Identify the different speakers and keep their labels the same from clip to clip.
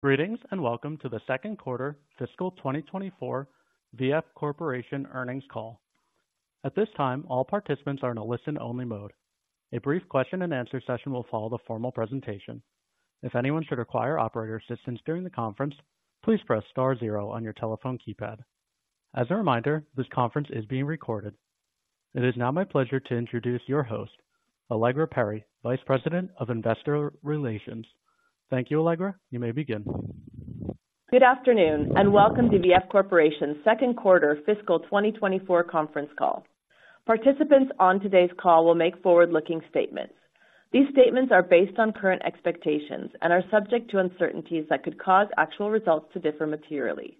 Speaker 1: Greetings, and welcome to the Second Quarter Fiscal 2024 VF Corporation Earnings Call. At this time, all participants are in a listen-only mode. A brief question-and-answer session will follow the formal presentation. If anyone should require operator assistance during the conference, please press star zero on your telephone keypad. As a reminder, this conference is being recorded. It is now my pleasure to introduce your host, Allegra Perry, Vice President of Investor Relations. Thank you, Allegra. You may begin.
Speaker 2: Good afternoon, and welcome to VF Corporation's second quarter fiscal 2024 conference call. Participants on today's call will make forward-looking statements. These statements are based on current expectations and are subject to uncertainties that could cause actual results to differ materially.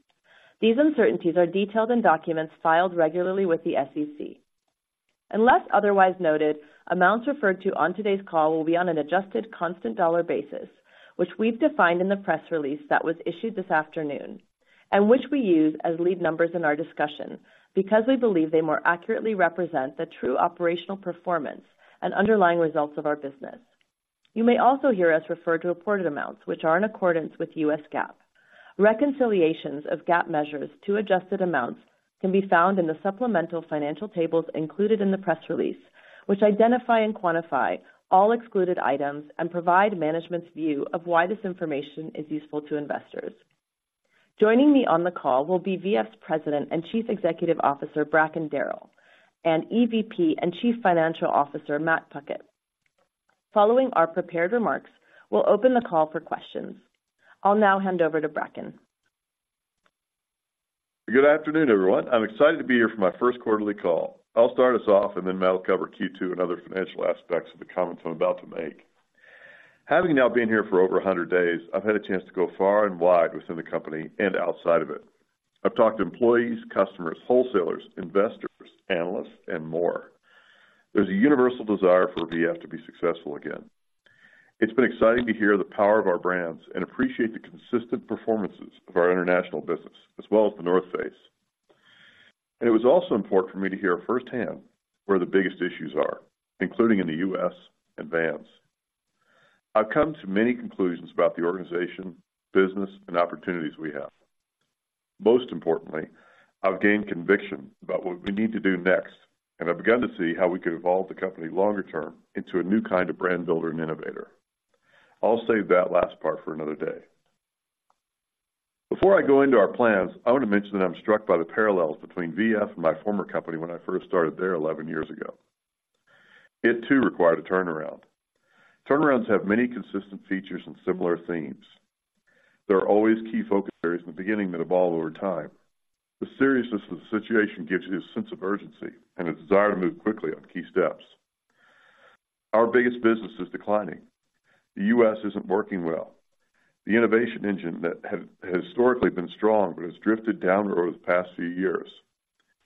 Speaker 2: These uncertainties are detailed in documents filed regularly with the SEC. Unless otherwise noted, amounts referred to on today's call will be on an adjusted constant dollar basis, which we've defined in the press release that was issued this afternoon, and which we use as lead numbers in our discussion because we believe they more accurately represent the true operational performance and underlying results of our business. You may also hear us refer to reported amounts, which are in accordance with U.S. GAAP. Reconciliations of GAAP measures to adjusted amounts can be found in the supplemental financial tables included in the press release, which identify and quantify all excluded items and provide management's view of why this information is useful to investors. Joining me on the call will be VF's President and Chief Executive Officer, Bracken Darrell, and EVP and Chief Financial Officer, Matt Puckett. Following our prepared remarks, we'll open the call for questions. I'll now hand over to Bracken.
Speaker 3: Good afternoon, everyone. I'm excited to be here for my first quarterly call. I'll start us off, and then Matt will cover Q2 and other financial aspects of the comments I'm about to make. Having now been here for over 100 days, I've had a chance to go far and wide within the company and outside of it. I've talked to employees, customers, wholesalers, investors, analysts, and more. There's a universal desire for VF to be successful again. It's been exciting to hear the power of our brands and appreciate the consistent performances of our international business, as well as The North Face. And it was also important for me to hear firsthand where the biggest issues are, including in the U.S. and Vans. I've come to many conclusions about the organization, business, and opportunities we have. Most importantly, I've gained conviction about what we need to do next, and I've begun to see how we could evolve the company longer term into a new kind of brand builder and innovator. I'll save that last part for another day. Before I go into our plans, I want to mention that I'm struck by the parallels between VF and my former company when I first started there 11 years ago. It, too, required a turnaround. Turnarounds have many consistent features and similar themes. There are always key focus areas in the beginning that evolve over time. The seriousness of the situation gives you a sense of urgency and a desire to move quickly on key steps. Our biggest business is declining. The U.S. isn't working well. The innovation engine that had historically been strong, but has drifted downward over the past few years.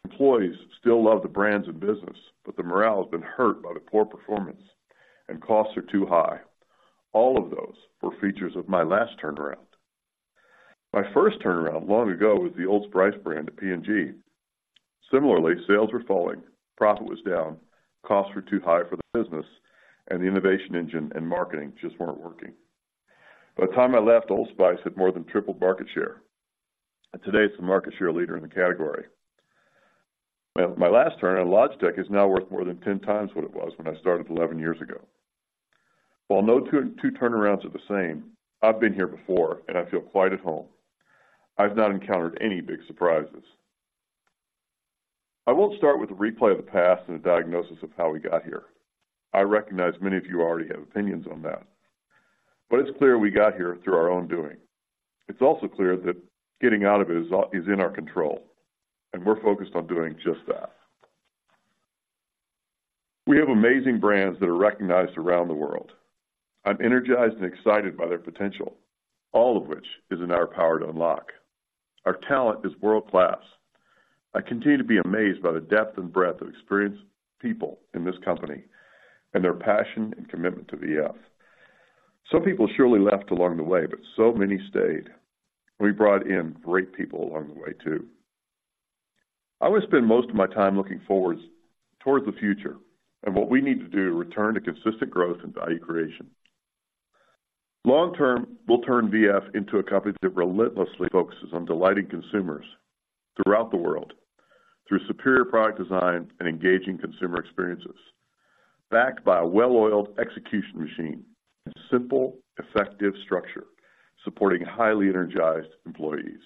Speaker 3: Employees still love the brands and business, but the morale has been hurt by the poor performance, and costs are too high. All of those were features of my last turnaround. My first turnaround, long ago, was the Old Spice brand at P&G. Similarly, sales were falling, profit was down, costs were too high for the business, and the innovation engine and marketing just weren't working. By the time I left, Old Spice had more than tripled market share, and today it's the market share leader in the category. My, my last turnaround, Logitech, is now worth more than 10 times what it was when I started 11 years ago. While no two, two turnarounds are the same, I've been here before, and I feel quite at home. I've not encountered any big surprises. I won't start with a replay of the past and a diagnosis of how we got here. I recognize many of you already have opinions on that, but it's clear we got here through our own doing. It's also clear that getting out of it is in our control, and we're focused on doing just that. We have amazing brands that are recognized around the world. I'm energized and excited by their potential, all of which is in our power to unlock. Our talent is world-class. I continue to be amazed by the depth and breadth of experienced people in this company and their passion and commitment to VF. Some people surely left along the way, but so many stayed. We brought in great people along the way, too. I would spend most of my time looking forward toward the future and what we need to do to return to consistent growth and value creation. Long term, we'll turn VF into a company that relentlessly focuses on delighting consumers throughout the world through superior product design and engaging consumer experiences, backed by a well-oiled execution machine and simple, effective structure supporting highly energized employees.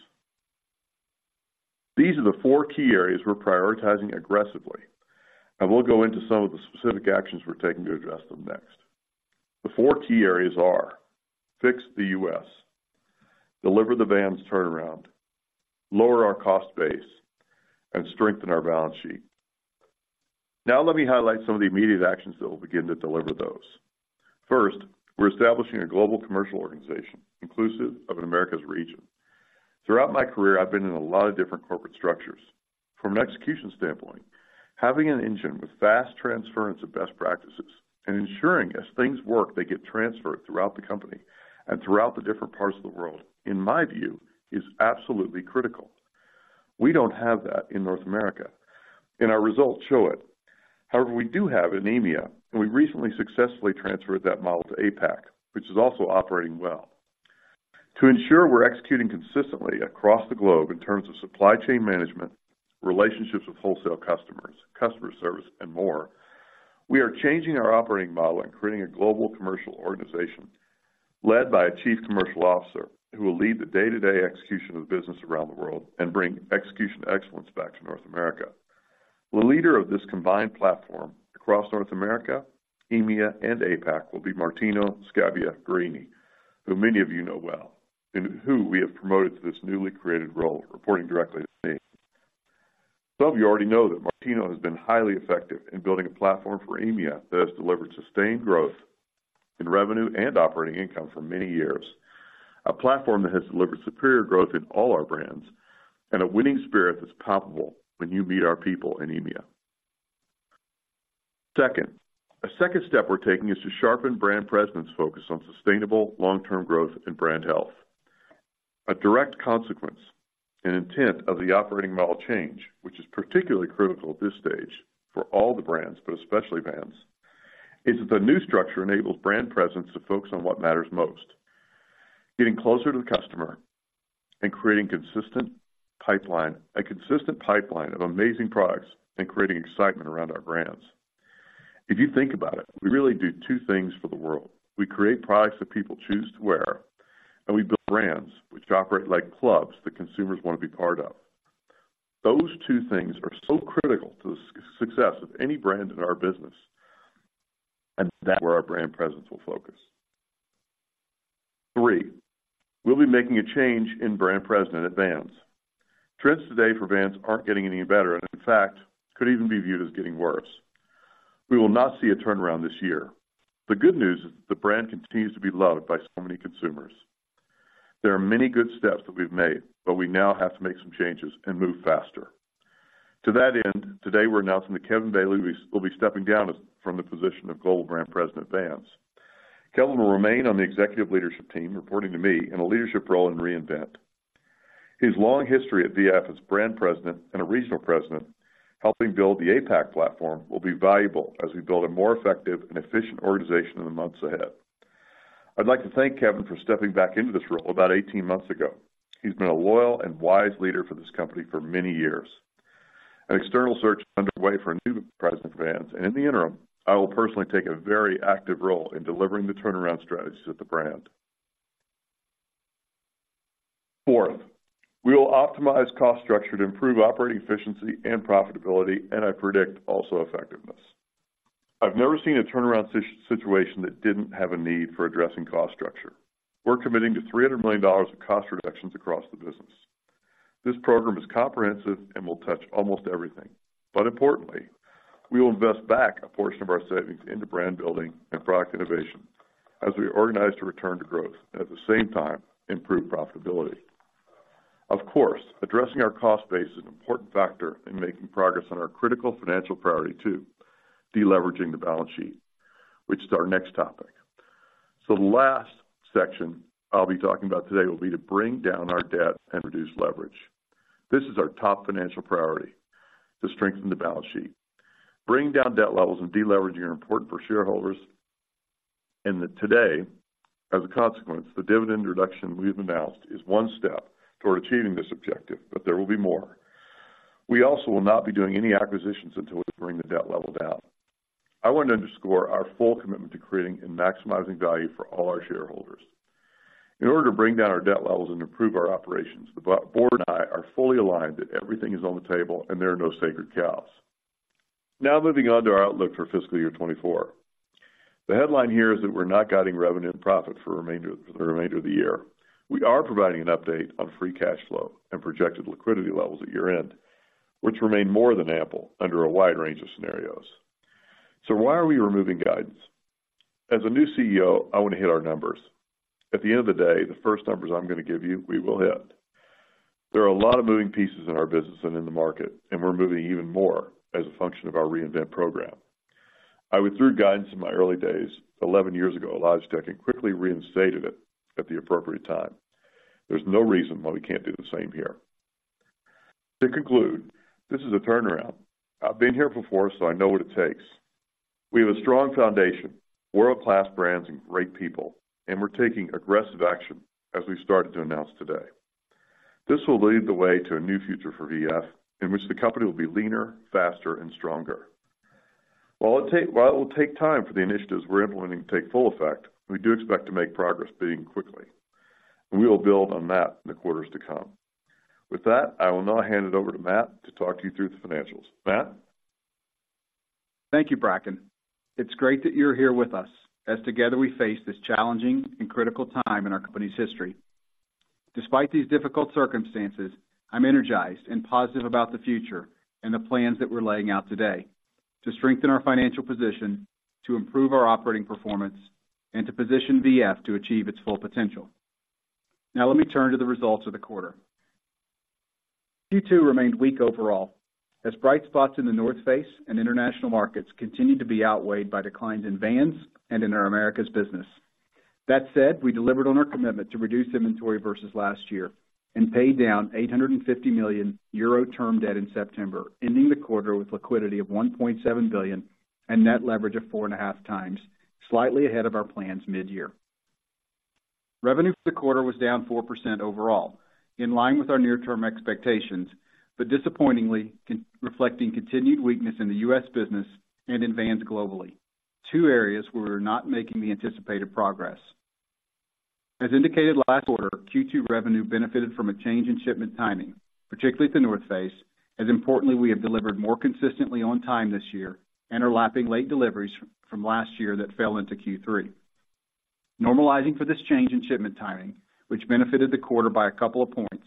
Speaker 3: These are the four key areas we're prioritizing aggressively, and we'll go into some of the specific actions we're taking to address them next. The four key areas are: fix the U.S., deliver the Vans turnaround, lower our cost base, and strengthen our balance sheet. Now, let me highlight some of the immediate actions that will begin to deliver those. First, we're establishing a global commercial organization, inclusive of an Americas region. Throughout my career, I've been in a lot of different corporate structures. From an execution standpoint, having an engine with fast transference of best practices and ensuring as things work, they get transferred throughout the company and throughout the different parts of the world, in my view, is absolutely critical. We don't have that in North America, and our results show it. However, we do have in EMEA, and we've recently successfully transferred that model to APAC, which is also operating well. To ensure we're executing consistently across the globe in terms of supply chain management, relationships with wholesale customers, customer service, and more, we are changing our operating model and creating a global commercial organization led by a Chief Commercial Officer, who will lead the day-to-day execution of the business around the world and bring execution excellence back to North America. The leader of this combined platform across North America, EMEA, and APAC will be Martino Scabbia Guerrini, who many of you know well, and who we have promoted to this newly created role, reporting directly to me. Some of you already know that Martino has been highly effective in building a platform for EMEA that has delivered sustained growth in revenue and operating income for many years. A platform that has delivered superior growth in all our brands, and a winning spirit that's palpable when you meet our people in EMEA. Second, a second step we're taking is to sharpen brand presence, focus on sustainable long-term growth and brand health. A direct consequence and intent of the operating model change, which is particularly critical at this stage for all the brands, but especially Vans, is that the new structure enables brand presence to focus on what matters most. Getting closer to the customer and creating consistent pipeline, a consistent pipeline of amazing products and creating excitement around our brands. If you think about it, we really do two things for the world. We create products that people choose to wear, and we build brands which operate like clubs that consumers want to be part of. Those two things are so critical to the success of any brand in our business, and that's where our brand presence will focus. Three, we'll be making a change in Brand President at Vans. Trends today for Vans aren't getting any better, and in fact, could even be viewed as getting worse. We will not see a turnaround this year. The good news is that the brand continues to be loved by so many consumers. There are many good steps that we've made, but we now have to make some changes and move faster. To that end, today, we're announcing that Kevin Bailey will be stepping down as from the position of Global Brand President, Vans. Kevin will remain on the executive leadership team, reporting to me in a leadership role in Reinvent. His long history at VF as Brand President and a Regional President, helping build the APAC platform, will be valuable as we build a more effective and efficient organization in the months ahead. I'd like to thank Kevin for stepping back into this role about 18 months ago. He's been a loyal and wise leader for this company for many years. An external search is underway for a new President for Vans, and in the interim, I will personally take a very active role in delivering the turnaround strategies of the brand. Fourth, we will optimize cost structure to improve operating efficiency and profitability, and I predict also effectiveness. I've never seen a turnaround situation that didn't have a need for addressing cost structure. We're committing to $300 million of cost reductions across the business. This program is comprehensive and will touch almost everything. But importantly, we will invest back a portion of our savings into brand building and product innovation as we organize to return to growth, and at the same time, improve profitability. Of course, addressing our cost base is an important factor in making progress on our critical financial priority too, deleveraging the balance sheet, which is our next topic. The last section I'll be talking about today will be to bring down our debt and reduce leverage. This is our top financial priority, to strengthen the balance sheet. Bringing down debt levels and deleveraging are important for shareholders, and that today, as a consequence, the dividend reduction we've announced is one step toward achieving this objective, but there will be more. We also will not be doing any acquisitions until we bring the debt level down. I want to underscore our full commitment to creating and maximizing value for all our shareholders. In order to bring down our debt levels and improve our operations, the Board and I are fully aligned that everything is on the table and there are no sacred cows. Now, moving on to our outlook for fiscal year 2024. The headline here is that we're not guiding revenue and profit for the remainder of the year. We are providing an update on free cash flow and projected liquidity levels at year-end, which remain more than ample under a wide range of scenarios. Why are we removing guidance? As a new CEO, I want to hit our numbers. At the end of the day, the first numbers I'm going to give you, we will hit. There are a lot of moving pieces in our business and in the market, and we're moving even more as a function of our Reinvent program. I withdrew guidance in my early days, 11 years ago at Logitech, and quickly reinstated it at the appropriate time. There's no reason why we can't do the same here. To conclude, this is a turnaround. I've been here before, so I know what it takes. We have a strong foundation, world-class brands, and great people, and we're taking aggressive action as we started to announce today. This will lead the way to a new future for VF, in which the company will be leaner, faster, and stronger. While it will take time for the initiatives we're implementing to take full effect, we do expect to make progress beginning quickly, and we will build on that in the quarters to come. With that, I will now hand it over to Matt to talk you through the financials. Matt?
Speaker 4: Thank you, Bracken. It's great that you're here with us, as together we face this challenging and critical time in our company's history. Despite these difficult circumstances, I'm energized and positive about the future and the plans that we're laying out today to strengthen our financial position, to improve our operating performance, and to position VF to achieve its full potential. Now, let me turn to the results of the quarter. Q2 remained weak overall, as bright spots in The North Face and international markets continued to be outweighed by declines in Vans and in our Americas business. That said, we delivered on our commitment to reduce inventory versus last year and paid down 850 million euro term debt in September, ending the quarter with liquidity of $1.7 billion and net leverage of 4.5x, slightly ahead of our plans mid-year. Revenue for the quarter was down 4% overall, in line with our near-term expectations, but disappointingly, reflecting continued weakness in the U.S. business and in Vans globally, two areas where we're not making the anticipated progress. As indicated last quarter, Q2 revenue benefited from a change in shipment timing, particularly at The North Face, as importantly, we have delivered more consistently on time this year and are lapping late deliveries from last year that fell into Q3. Normalizing for this change in shipment timing, which benefited the quarter by a couple of points,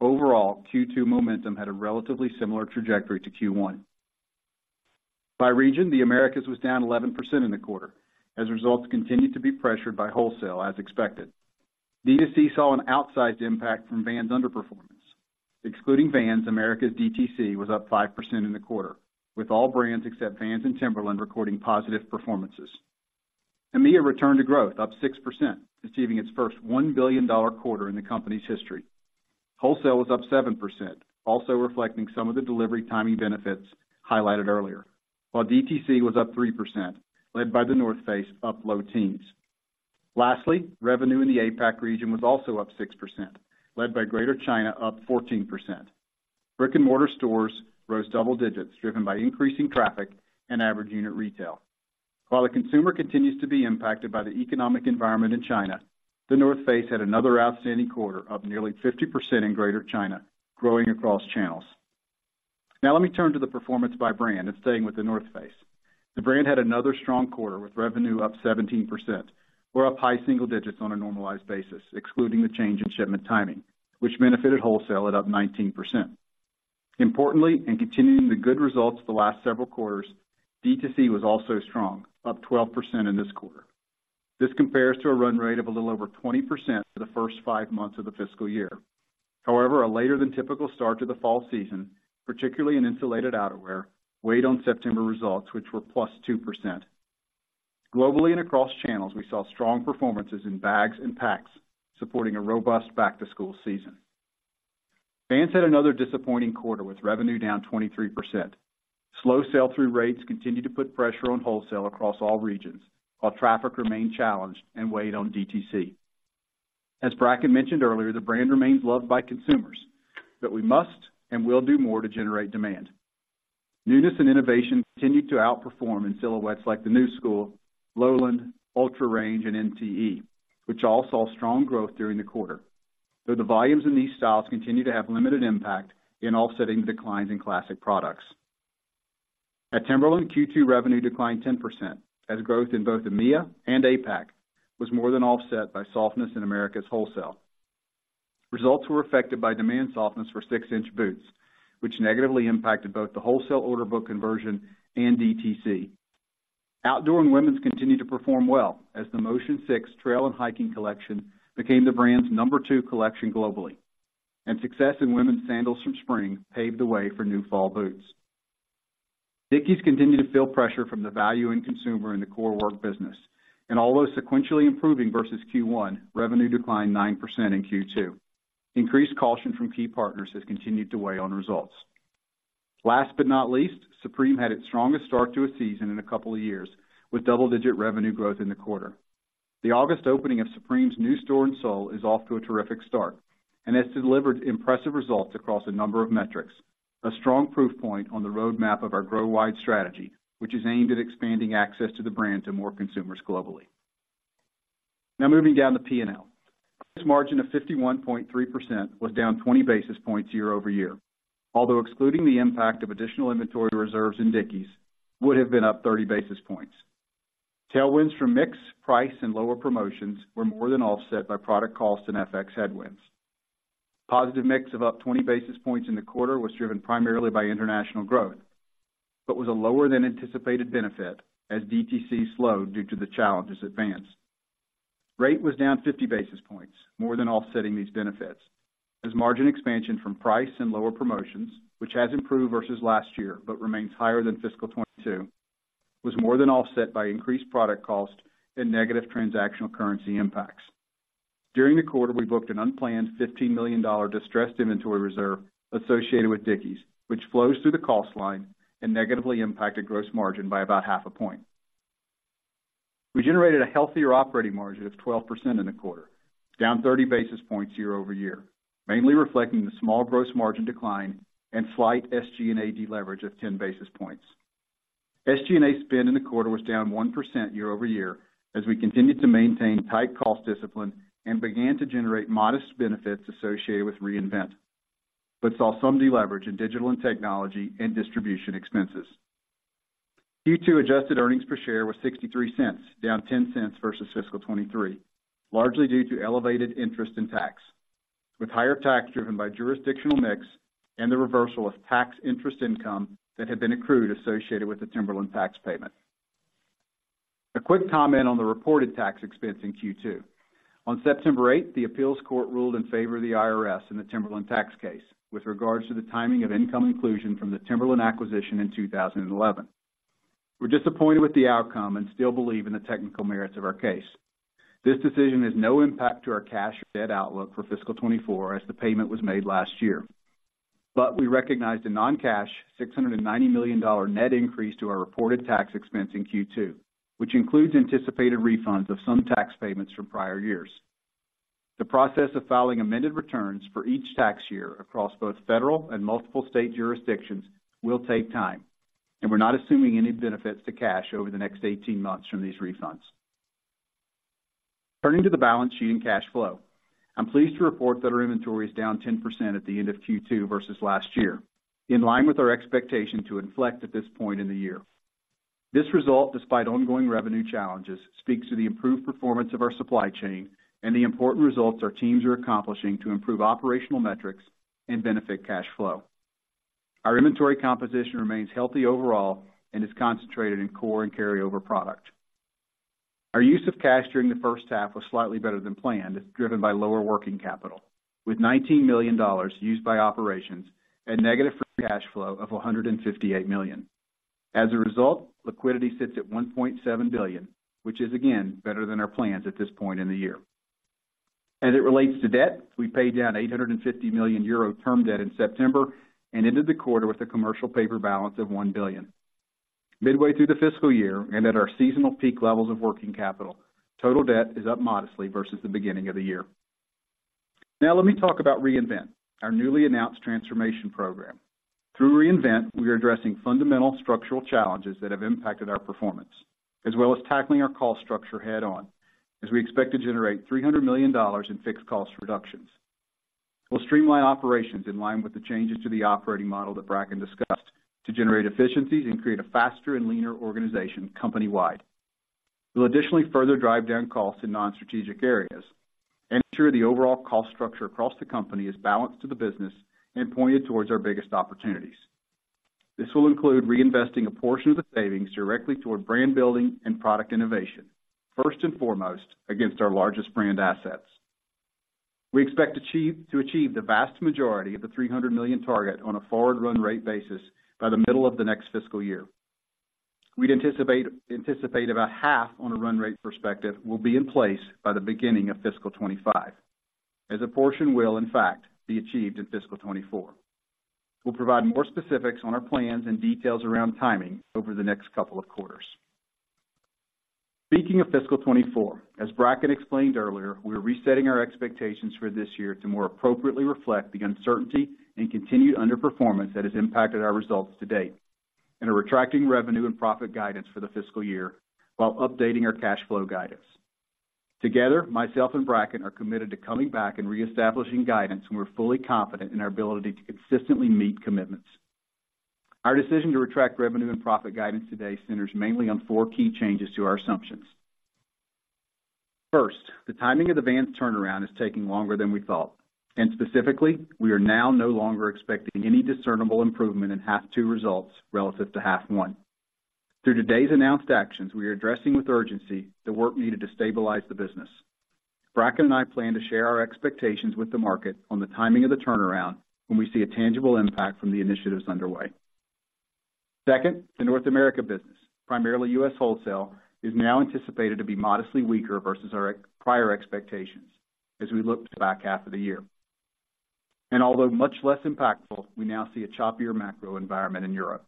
Speaker 4: overall, Q2 momentum had a relatively similar trajectory to Q1. By region, the Americas was down 11% in the quarter, as results continued to be pressured by wholesale, as expected. DTC saw an outsized impact from Vans' underperformance. Excluding Vans, Americas DTC was up 5% in the quarter, with all brands except Vans and Timberland recording positive performances. EMEA returned to growth, up 6%, achieving its first $1 billion quarter in the company's history. Wholesale was up 7%, also reflecting some of the delivery timing benefits highlighted earlier, while DTC was up 3%, led by The North Face, up low teens. Lastly, revenue in the APAC region was also up 6%, led by Greater China, up 14%. Brick-and-mortar stores rose double digits, driven by increasing traffic and average unit retail. While the consumer continues to be impacted by the economic environment in China, The North Face had another outstanding quarter, up nearly 50% in Greater China, growing across channels. Now let me turn to the performance by brand and staying with The North Face. The brand had another strong quarter, with revenue up 17% or up high single digits on a normalized basis, excluding the change in shipment timing, which benefited wholesale at up 19%. Importantly, and continuing the good results of the last several quarters, D2C was also strong, up 12% in this quarter. This compares to a run rate of a little over 20% for the first five months of the fiscal year. However, a later than typical start to the fall season, particularly in insulated outerwear, weighed on September results, which were +2%. Globally and across channels, we saw strong performances in bags and packs, supporting a robust back-to-school season. Vans had another disappointing quarter, with revenue down 23%. Slow sell-through rates continued to put pressure on wholesale across all regions, while traffic remained challenged and weighed on DTC. As Bracken mentioned earlier, the brand remains loved by consumers, but we must and will do more to generate demand. Newness and innovation continued to outperform in silhouettes like the Knu Skool, Lowland, UltraRange, and MTE, which all saw strong growth during the quarter. Though the volumes in these styles continue to have limited impact in offsetting the declines in classic products. At Timberland, Q2 revenue declined 10%, as growth in both EMEA and APAC was more than offset by softness in Americas wholesale. Results were affected by demand softness for six-inch boots, which negatively impacted both the wholesale order book conversion and DTC. Outdoor and women's continued to perform well, as the Motion 6 trail and hiking collection became the brand's number two collection globally, and success in women's sandals from spring paved the way for new fall boots. Dickies continued to feel pressure from the value-conscious consumer in the core work business, and although sequentially improving versus Q1, revenue declined 9% in Q2. Increased caution from key partners has continued to weigh on results. Last but not least, Supreme had its strongest start to a season in a couple of years, with double-digit revenue growth in the quarter. The August opening of Supreme's new store in Seoul is off to a terrific start and has delivered impressive results across a number of metrics, a strong proof point on the roadmap of our Grow Wide strategy, which is aimed at expanding access to the brand to more consumers globally. Now moving down to P&L. Gross margin of 51.3% was down 20 basis points year-over-year, although excluding the impact of additional inventory reserves in Dickies would have been up 30 basis points. Tailwinds from mix, price, and lower promotions were more than offset by product costs and FX headwinds. Positive mix of up 20 basis points in the quarter was driven primarily by international growth, but was a lower than anticipated benefit as DTC slowed due to the challenges at Vans. Rate was down 50 basis points, more than offsetting these benefits, as margin expansion from price and lower promotions, which has improved versus last year but remains higher than fiscal 2022, was more than offset by increased product cost and negative transactional currency impacts. During the quarter, we booked an unplanned $15 million distressed inventory reserve associated with Dickies, which flows through the cost line and negatively impacted gross margin by about 0.5 point. We generated a healthier operating margin of 12% in the quarter, down 30 basis points year-over-year, mainly reflecting the small gross margin decline and slight SG&A deleverage of 10 basis points. SG&A spend in the quarter was down 1% year-over-year as we continued to maintain tight cost discipline and began to generate modest benefits associated with Reinvent, but saw some deleverage in digital and technology and distribution expenses. Q2 adjusted earnings per share was $0.63, down $0.10 versus fiscal 2023, largely due to elevated interest in tax, with higher tax driven by jurisdictional mix and the reversal of tax interest income that had been accrued associated with the Timberland tax payment. A quick comment on the reported tax expense in Q2. On September 8, the appeals court ruled in favor of the IRS in the Timberland tax case, with regards to the timing of income inclusion from the Timberland acquisition in 2011. We're disappointed with the outcome and still believe in the technical merits of our case. This decision has no impact to our cash or debt outlook for fiscal 2024, as the payment was made last year. We recognized a non-cash $690 million net increase to our reported tax expense in Q2, which includes anticipated refunds of some tax payments from prior years. The process of filing amended returns for each tax year across both federal and multiple state jurisdictions will take time, and we're not assuming any benefits to cash over the next 18 months from these refunds. Turning to the balance sheet and cash flow. I'm pleased to report that our inventory is down 10% at the end of Q2 versus last year, in line with our expectation to inflect at this point in the year. This result, despite ongoing revenue challenges, speaks to the improved performance of our supply chain and the important results our teams are accomplishing to improve operational metrics and benefit cash flow. Our inventory composition remains healthy overall and is concentrated in core and carryover product. Our use of cash during the first half was slightly better than planned, as driven by lower working capital, with $19 million used by operations and negative free cash flow of $158 million. As a result, liquidity sits at $1.7 billion, which is again, better than our plans at this point in the year. As it relates to debt, we paid down 850 million euro term debt in September and ended the quarter with a commercial paper balance of $1 billion. Midway through the fiscal year and at our seasonal peak levels of working capital, total debt is up modestly versus the beginning of the year. Now let me talk about Reinvent, our newly announced transformation program. Through Reinvent, we are addressing fundamental structural challenges that have impacted our performance, as well as tackling our cost structure head on, as we expect to generate $300 million in fixed cost reductions. We'll streamline operations in line with the changes to the operating model that Bracken discussed, to generate efficiencies and create a faster and leaner organization company-wide. We'll additionally further drive down costs in non-strategic areas and ensure the overall cost structure across the company is balanced to the business and pointed towards our biggest opportunities. This will include reinvesting a portion of the savings directly toward brand building and product innovation, first and foremost, against our largest brand assets. We expect to achieve the vast majority of the $300 million target on a forward run rate basis by the middle of the next fiscal year. We'd anticipate about half on a run rate perspective will be in place by the beginning of fiscal 2025, as a portion will in fact be achieved in fiscal 2024. We'll provide more specifics on our plans and details around timing over the next couple of quarters. Speaking of fiscal 2024, as Bracken explained earlier, we are resetting our expectations for this year to more appropriately reflect the uncertainty and continued underperformance that has impacted our results to date, and are retracting revenue and profit guidance for the fiscal year while updating our cash flow guidance. Together, myself and Bracken are committed to coming back and reestablishing guidance, and we're fully confident in our ability to consistently meet commitments. Our decision to retract revenue and profit guidance today centers mainly on four key changes to our assumptions. First, the timing of the Vans turnaround is taking longer than we thought, and specifically, we are now no longer expecting any discernible improvement in half two results relative to half one. Through today's announced actions, we are addressing with urgency the work needed to stabilize the business. Bracken and I plan to share our expectations with the market on the timing of the turnaround when we see a tangible impact from the initiatives underway. Second, the North America business, primarily U.S. wholesale, is now anticipated to be modestly weaker versus our prior expectations as we look to the back half of the year. Although much less impactful, we now see a choppier macro environment in Europe.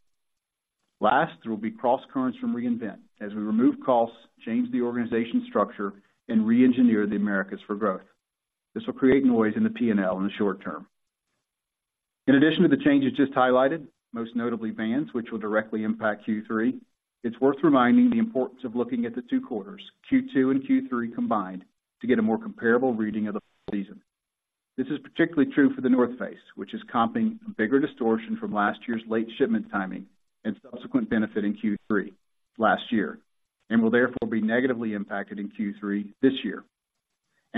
Speaker 4: Last, there will be crosscurrents from Reinvent as we remove costs, change the organization structure, and reengineer the Americas for growth. This will create noise in the P&L in the short term. In addition to the changes just highlighted, most notably Vans, which will directly impact Q3, it's worth reminding the importance of looking at the two quarters, Q2 and Q3 combined, to get a more comparable reading of the full season. This is particularly true for The North Face, which is comping a bigger distortion from last year's late shipment timing and subsequent benefit in Q3 last year, and will therefore be negatively impacted in Q3 this year.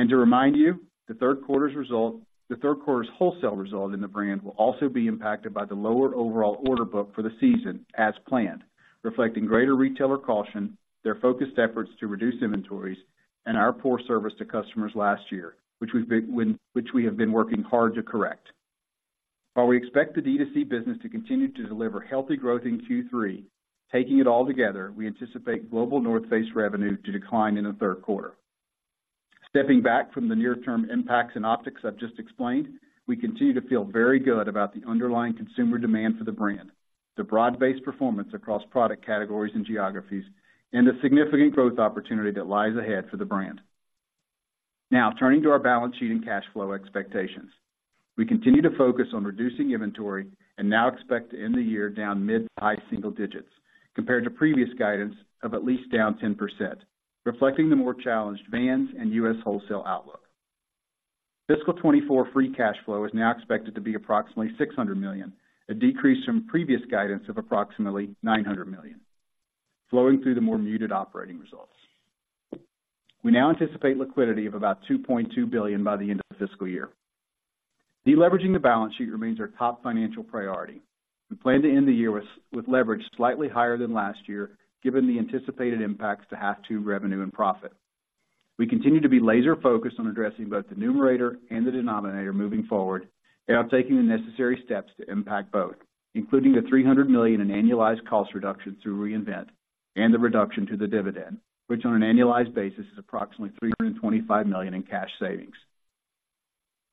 Speaker 4: To remind you, the third quarter's wholesale result in the brand will also be impacted by the lower overall order book for the season as planned, reflecting greater retailer caution, their focused efforts to reduce inventories, and our poor service to customers last year, which we have been working hard to correct. While we expect the DTC business to continue to deliver healthy growth in Q3, taking it all together, we anticipate global The North Face revenue to decline in the third quarter. Stepping back from the near-term impacts and optics I've just explained, we continue to feel very good about the underlying consumer demand for the brand, the broad-based performance across product categories and geographies, and the significant growth opportunity that lies ahead for the brand. Now, turning to our balance sheet and cash flow expectations. We continue to focus on reducing inventory and now expect to end the year down mid- to high single digits, compared to previous guidance of at least down 10%, reflecting the more challenged Vans and U.S. wholesale outlook. Fiscal 2024 free cash flow is now expected to be approximately $600 million, a decrease from previous guidance of approximately $900 million, flowing through the more muted operating results. We now anticipate liquidity of about $2.2 billion by the end of the fiscal year. ...Deleveraging the balance sheet remains our top financial priority. We plan to end the year with leverage slightly higher than last year, given the anticipated impacts to half two revenue and profit. We continue to be laser focused on addressing both the numerator and the denominator moving forward, and are taking the necessary steps to impact both, including the $300 million in annualized cost reduction through Reinvent and the reduction to the dividend, which on an annualized basis, is approximately $325 million in cash savings.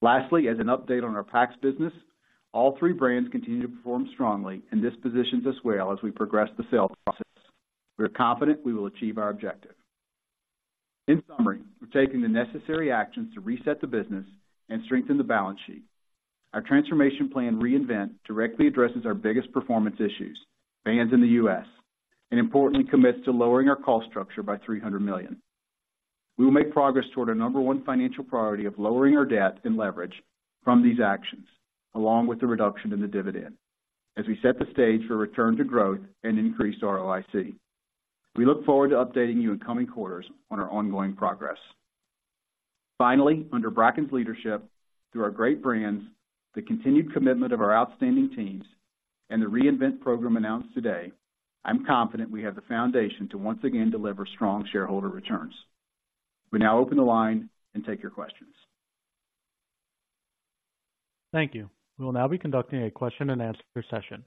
Speaker 4: Lastly, as an update on our APAC business, all three brands continue to perform strongly, and this positions us well as we progress the sales process. We are confident we will achieve our objective. In summary, we've taken the necessary actions to reset the business and strengthen the balance sheet. Our transformation plan, Reinvent, directly addresses our biggest performance issues, brands in the U.S., and importantly, commits to lowering our cost structure by $300 million. We will make progress toward our number one financial priority of lowering our debt and leverage from these actions, along with the reduction in the dividend as we set the stage for return to growth and increased ROIC. We look forward to updating you in coming quarters on our ongoing progress. Finally, under Bracken's leadership, through our great brands, the continued commitment of our outstanding teams, and the Reinvent program announced today, I'm confident we have the foundation to once again deliver strong shareholder returns. We now open the line and take your questions.
Speaker 1: Thank you. We will now be conducting a question-and-answer session.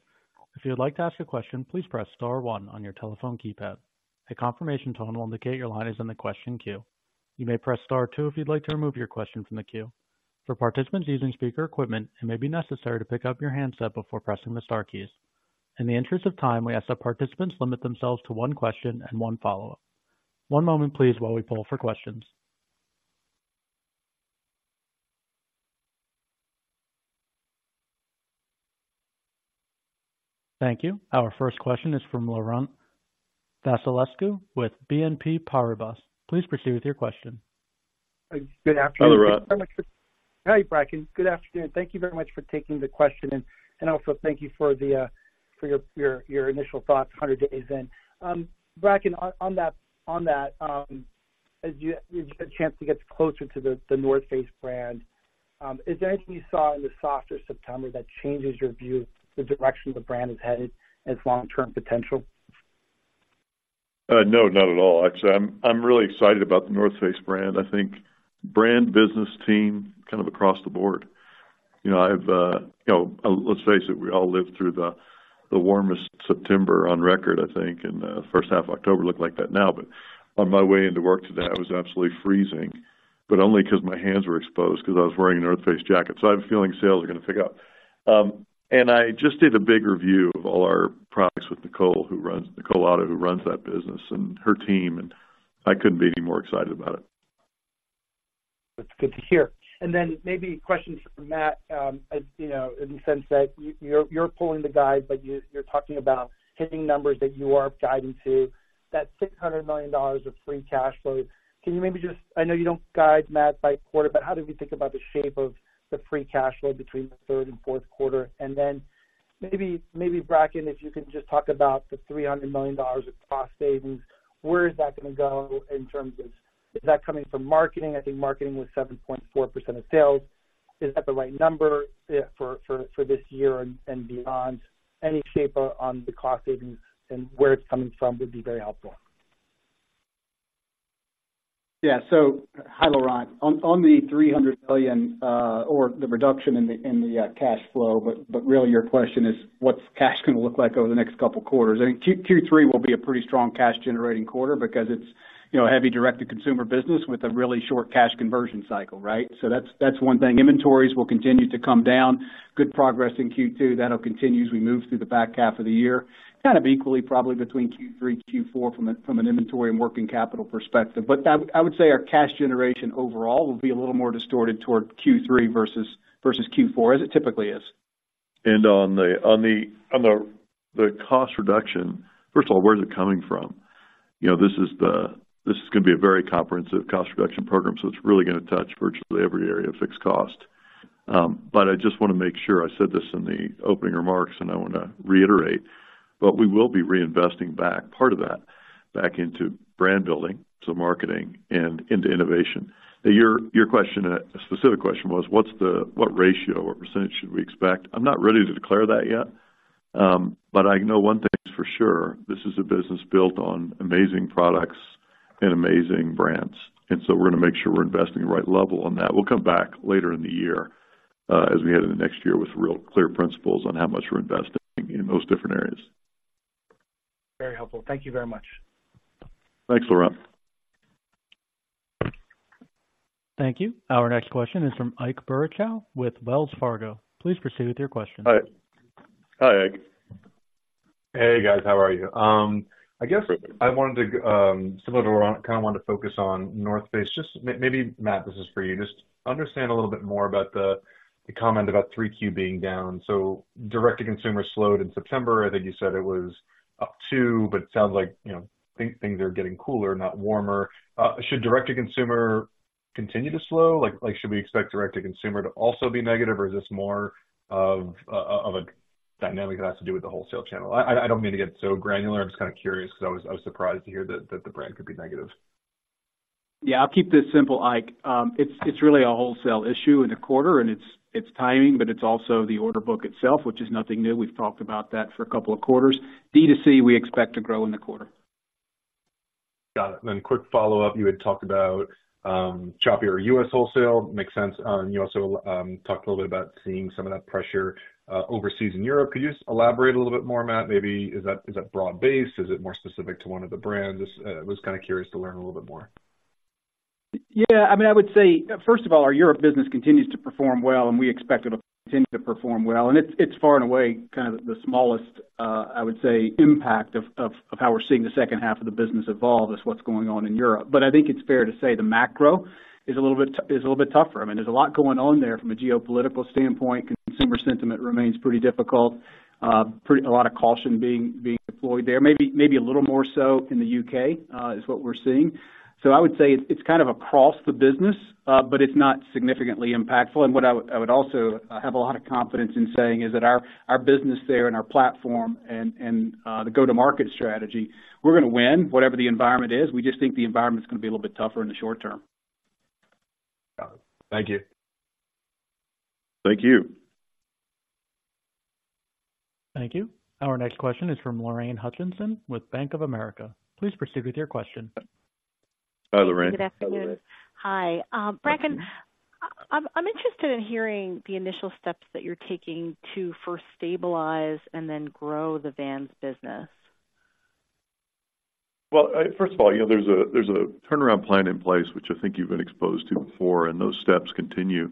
Speaker 1: If you'd like to ask a question, please press star one on your telephone keypad. A confirmation tone will indicate your line is in the question queue. You may press star two if you'd like to remove your question from the queue. For participants using speaker equipment, it may be necessary to pick up your handset before pressing the star keys. In the interest of time, we ask that participants limit themselves to one question and one follow-up. One moment please, while we poll for questions. Thank you. Our first question is from Laurent Vasilescu with BNP Paribas. Please proceed with your question.
Speaker 5: Good afternoon.
Speaker 3: Hi, Laurent.
Speaker 5: Hi, Bracken. Good afternoon. Thank you very much for taking the question, and also thank you for your initial thoughts 100 days in. Bracken, on that, as you've had a chance to get closer to the North Face brand, is there anything you saw in the softer September that changes your view of the direction the brand is headed and its long-term potential?
Speaker 3: No, not at all. Actually, I'm really excited about The North Face brand. I think brand business team, kind of across the board. You know, I've you know, let's face it, we all lived through the warmest September on record, I think, and first half of October looked like that now. But on my way into work today, I was absolutely freezing, but only because my hands were exposed, because I was wearing a The North Face jacket. So I have a feeling sales are going to pick up. And I just did a big review of all our products with Nicole, who runs... Nicole Otto, who runs that business, and her team, and I couldn't be any more excited about it.
Speaker 5: That's good to hear. And then maybe a question for Matt. As you know, in the sense that you're pulling the guide, but you're talking about hitting numbers that you are guiding to. That $600 million of free cash flow, can you maybe just—I know you don't guide Matt by quarter, but how do we think about the shape of the free cash flow between the third and fourth quarter? And then maybe, maybe Bracken, if you can just talk about the $300 million of cost savings. Where is that going to go in terms of, is that coming from marketing? I think marketing was 7.4% of sales. Is that the right number for this year and beyond? Any shape on the cost savings and where it's coming from would be very helpful?
Speaker 4: Yeah. So hi, Laurent. On the $300 million or the reduction in the cash flow, but really your question is, what's cash going to look like over the next couple of quarters? I think Q3 will be a pretty strong cash generating quarter because it's, you know, a heavy direct-to-consumer business with a really short cash conversion cycle, right? So that's one thing. Inventories will continue to come down. Good progress in Q2. That'll continue as we move through the back half of the year, kind of equally, probably between Q3, Q4 from an inventory and working capital perspective. But I would say our cash generation overall will be a little more distorted toward Q3 versus Q4, as it typically is.
Speaker 3: On the cost reduction. First of all, where is it coming from? You know, this is going to be a very comprehensive cost reduction program, so it's really going to touch virtually every area of fixed cost. But I just want to make sure, I said this in the opening remarks, and I want to reiterate, but we will be reinvesting back, part of that, back into brand building, so marketing and into innovation. Your question, a specific question was, what ratio or percentage should we expect? I'm not ready to declare that yet, but I know one thing's for sure, this is a business built on amazing products and amazing brands, and so we're going to make sure we're investing the right level on that. We'll come back later in the year, as we head into next year, with real clear principles on how much we're investing in those different areas.
Speaker 5: Very helpful. Thank you very much.
Speaker 3: Thanks, Laurent.
Speaker 1: Thank you. Our next question is from Ike Boruchow with Wells Fargo. Please proceed with your question.
Speaker 6: Hi.
Speaker 3: Hi, Ike.
Speaker 6: Hey, guys, how are you? I guess I wanted to, similar to Laurent, kind of wanted to focus on North Face. Just maybe Matt, this is for you. Just understand a little bit more about the comment about Q3 being down. So direct-to-consumer slowed in September. I think you said it was up 2%, but it sounds like, you know, things are getting cooler, not warmer. Should direct-to-consumer continue to slow? Like, should we expect direct-to-consumer to also be negative, or is this more of a dynamic that has to do with the wholesale channel? I don't mean to get so granular. I'm just kind of curious, because I was surprised to hear that the brand could be negative.
Speaker 4: Yeah, I'll keep this simple, Ike. It's really a wholesale issue in the quarter, and it's timing, but it's also the order book itself, which is nothing new. We've talked about that for a couple of quarters. D2C, we expect to grow in the quarter.
Speaker 6: Got it. Then quick follow-up. You had talked about choppier U.S. wholesale. Makes sense. You also talked a little bit about seeing some of that pressure overseas in Europe. Could you just elaborate a little bit more, Matt? Maybe is that, is that broad-based? Is it more specific to one of the brands? Was kind of curious to learn a little bit more.
Speaker 4: Yeah, I mean, I would say, first of all, our Europe business continues to perform well, and we expect it to continue to perform well. It's far and away kind of the smallest, I would say, impact of how we're seeing the second half of the business evolve is what's going on in Europe. But I think it's fair to say the macro is a little bit tougher. I mean, there's a lot going on there from a geopolitical standpoint. Consumer sentiment remains pretty difficult. Pretty, a lot of caution being deployed there. Maybe a little more so in the U.K. is what we're seeing. So I would say it's kind of across the business, but it's not significantly impactful. What I would also have a lot of confidence in saying is that our business there and our platform and the go-to-market strategy, we're going to win whatever the environment is. We just think the environment's going to be a little bit tougher in the short term.
Speaker 6: Got it. Thank you.
Speaker 3: Thank you.
Speaker 1: Thank you. Our next question is from Lorraine Hutchinson with Bank of America. Please proceed with your question.
Speaker 3: Hi, Lorraine.
Speaker 7: Good afternoon. Hi. Bracken, I'm interested in hearing the initial steps that you're taking to first stabilize and then grow the Vans business.
Speaker 3: Well, first of all, you know, there's a turnaround plan in place, which I think you've been exposed to before, and those steps continue.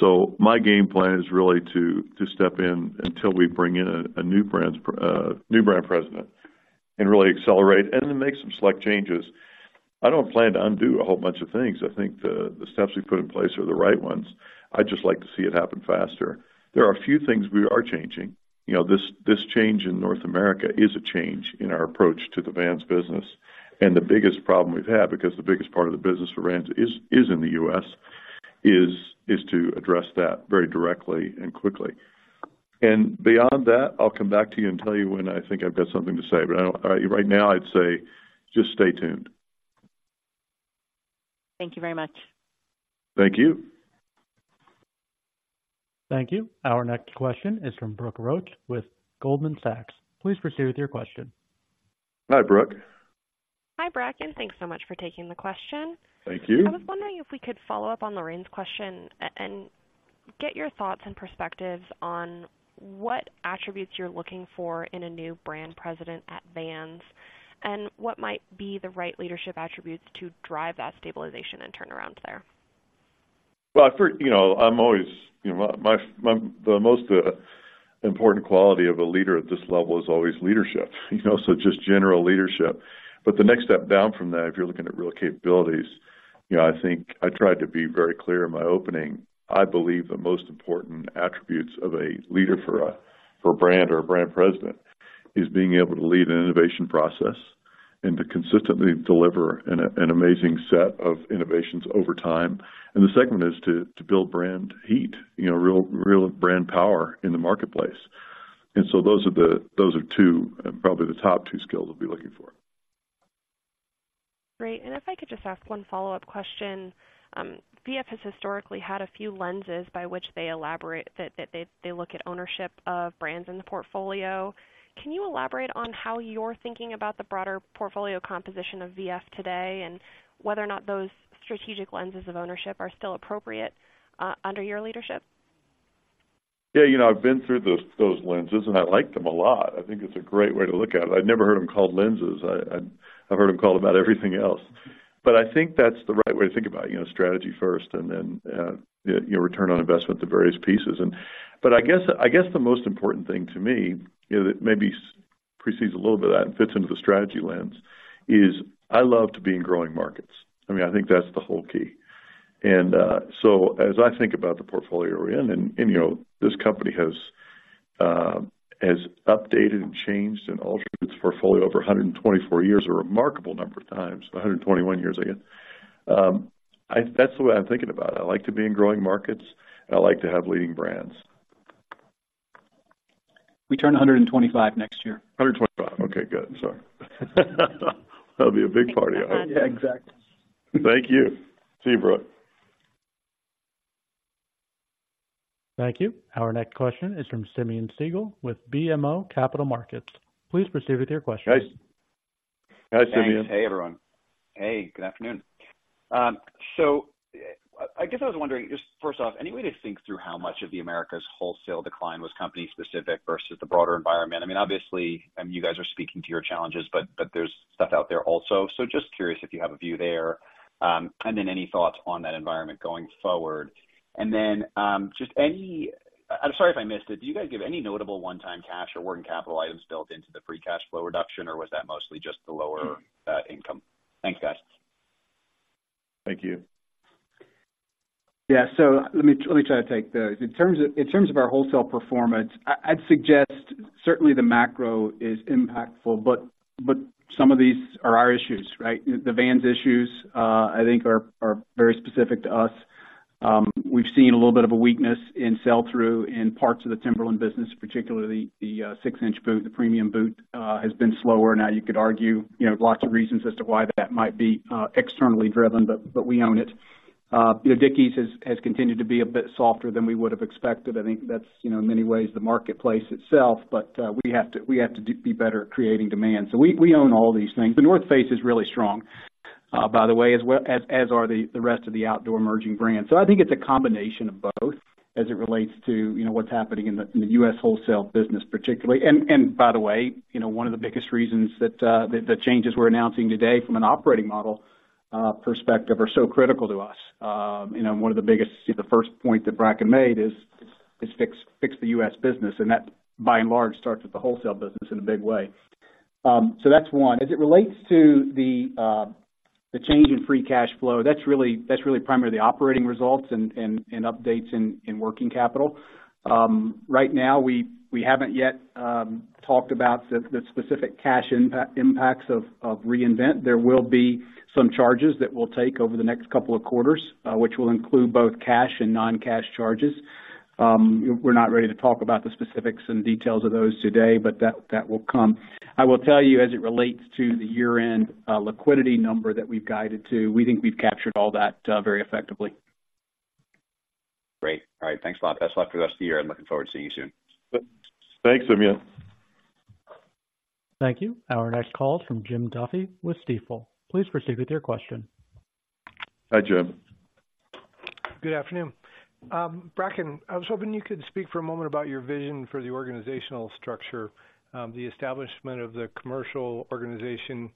Speaker 3: So my game plan is really to step in until we bring in a new Brand President and really accelerate and then make some select changes. I don't plan to undo a whole bunch of things. I think the steps we've put in place are the right ones. I'd just like to see it happen faster. There are a few things we are changing. You know, this change in North America is a change in our approach to the Vans business. And the biggest problem we've had, because the biggest part of the business for Vans is in the U.S., is to address that very directly and quickly. Beyond that, I'll come back to you and tell you when I think I've got something to say, but I don't... Right now, I'd say, just stay tuned.
Speaker 7: Thank you very much.
Speaker 3: Thank you.
Speaker 1: Thank you. Our next question is from Brooke Roach with Goldman Sachs. Please proceed with your question.
Speaker 3: Hi, Brooke.
Speaker 8: Hi, Bracken. Thanks so much for taking the question.
Speaker 3: Thank you.
Speaker 8: I was wondering if we could follow up on Lorraine's question and get your thoughts and perspectives on what attributes you're looking for in a new Brand President at Vans, and what might be the right leadership attributes to drive that stabilization and turnaround there?
Speaker 3: Well, I first—you know, I'm always, you know, my the most important quality of a leader at this level is always leadership, you know, so just general leadership. But the next step down from that, if you're looking at real capabilities, you know, I think I tried to be very clear in my opening. I believe the most important attributes of a leader for a brand or a Brand President is being able to lead an innovation process and to consistently deliver an amazing set of innovations over time. And the second is to build brand heat, you know, real, real brand power in the marketplace. And so those are the—those are two, probably the top two skills we'll be looking for.
Speaker 8: Great. And if I could just ask one follow-up question. VF has historically had a few lenses by which they elaborate they look at ownership of brands in the portfolio. Can you elaborate on how you're thinking about the broader portfolio composition of VF today, and whether or not those strategic lenses of ownership are still appropriate under your leadership?
Speaker 3: Yeah, you know, I've been through those lenses, and I like them a lot. I think it's a great way to look at it. I've never heard them called lenses. I've heard them called about everything else. But I think that's the right way to think about it, you know, strategy first and then, you know, return on investment to various pieces. But I guess the most important thing to me, you know, that maybe precedes a little bit of that and fits into the strategy lens, is I love to be in growing markets. I mean, I think that's the whole key. So as I think about the portfolio we're in, and, you know, this company has updated and changed and altered its portfolio over 124 years, a remarkable number of times, 121 years, I guess. That's the way I'm thinking about it. I like to be in growing markets. I like to have leading brands.
Speaker 4: We turn 125 next year.
Speaker 3: 125. Okay, good. Sorry. That'll be a big party.
Speaker 4: Yeah, exactly.
Speaker 3: Thank you. See you, Brooke.
Speaker 1: Thank you. Our next question is from Simeon Siegel with BMO Capital Markets. Please proceed with your question.
Speaker 3: Hi. Hi, Simeon.
Speaker 9: Hey, everyone. Hey, good afternoon. So I, I guess I was wondering, just first off, any way to think through how much of the Americas wholesale decline was company specific versus the broader environment? I mean, obviously, you guys are speaking to your challenges, but, but there's stuff out there also. So just curious if you have a view there. And then any thoughts on that environment going forward? And then, just any... I'm sorry if I missed it. Do you guys give any notable one-time cash or working capital items built into the free cash flow reduction, or was that mostly just the lower, income? Thanks, guys.
Speaker 3: Thank you.
Speaker 4: Yeah, so let me try to take those. In terms of our wholesale performance, I'd suggest certainly the macro is impactful, but some of these are our issues, right? The Vans issues, I think are very specific to us. We've seen a little bit of a weakness in sell-through in parts of the Timberland business, particularly the six-inch boot. The premium boot has been slower. Now, you could argue, you know, lots of reasons as to why that might be externally driven, but we own it. You know, Dickies has continued to be a bit softer than we would have expected. I think that's, you know, in many ways the marketplace itself, but we have to be better at creating demand. So we own all these things. The North Face is really strong, by the way, as well as are the rest of the outdoor emerging brands. So I think it's a combination of both as it relates to, you know, what's happening in the, in the U.S. wholesale business, particularly. And, by the way, you know, one of the biggest reasons that, the changes we're announcing today from an operating model, perspective, are so critical to us. You know, one of the biggest—the first point that Bracken made is, fix the U.S. business, and that, by and large, starts with the wholesale business in a big way. So that's one. As it relates to the, the change in free cash flow, that's really, that's really primarily the operating results and, updates in, working capital. Right now, we haven't yet talked about the specific cash impacts of Reinvent. There will be some charges that we'll take over the next couple of quarters, which will include both cash and non-cash charges. We're not ready to talk about the specifics and details of those today, but that will come. I will tell you, as it relates to the year-end liquidity number that we've guided to, we think we've captured all that very effectively.
Speaker 9: Great. All right. Thanks a lot. Best luck for the rest of the year, and looking forward to seeing you soon.
Speaker 3: Thanks, Simeon.
Speaker 1: Thank you. Our next call from Jim Duffy with Stifel. Please proceed with your question.
Speaker 3: Hi, Jim.
Speaker 10: Good afternoon. Bracken, I was hoping you could speak for a moment about your vision for the organizational structure. The establishment of the commercial organization.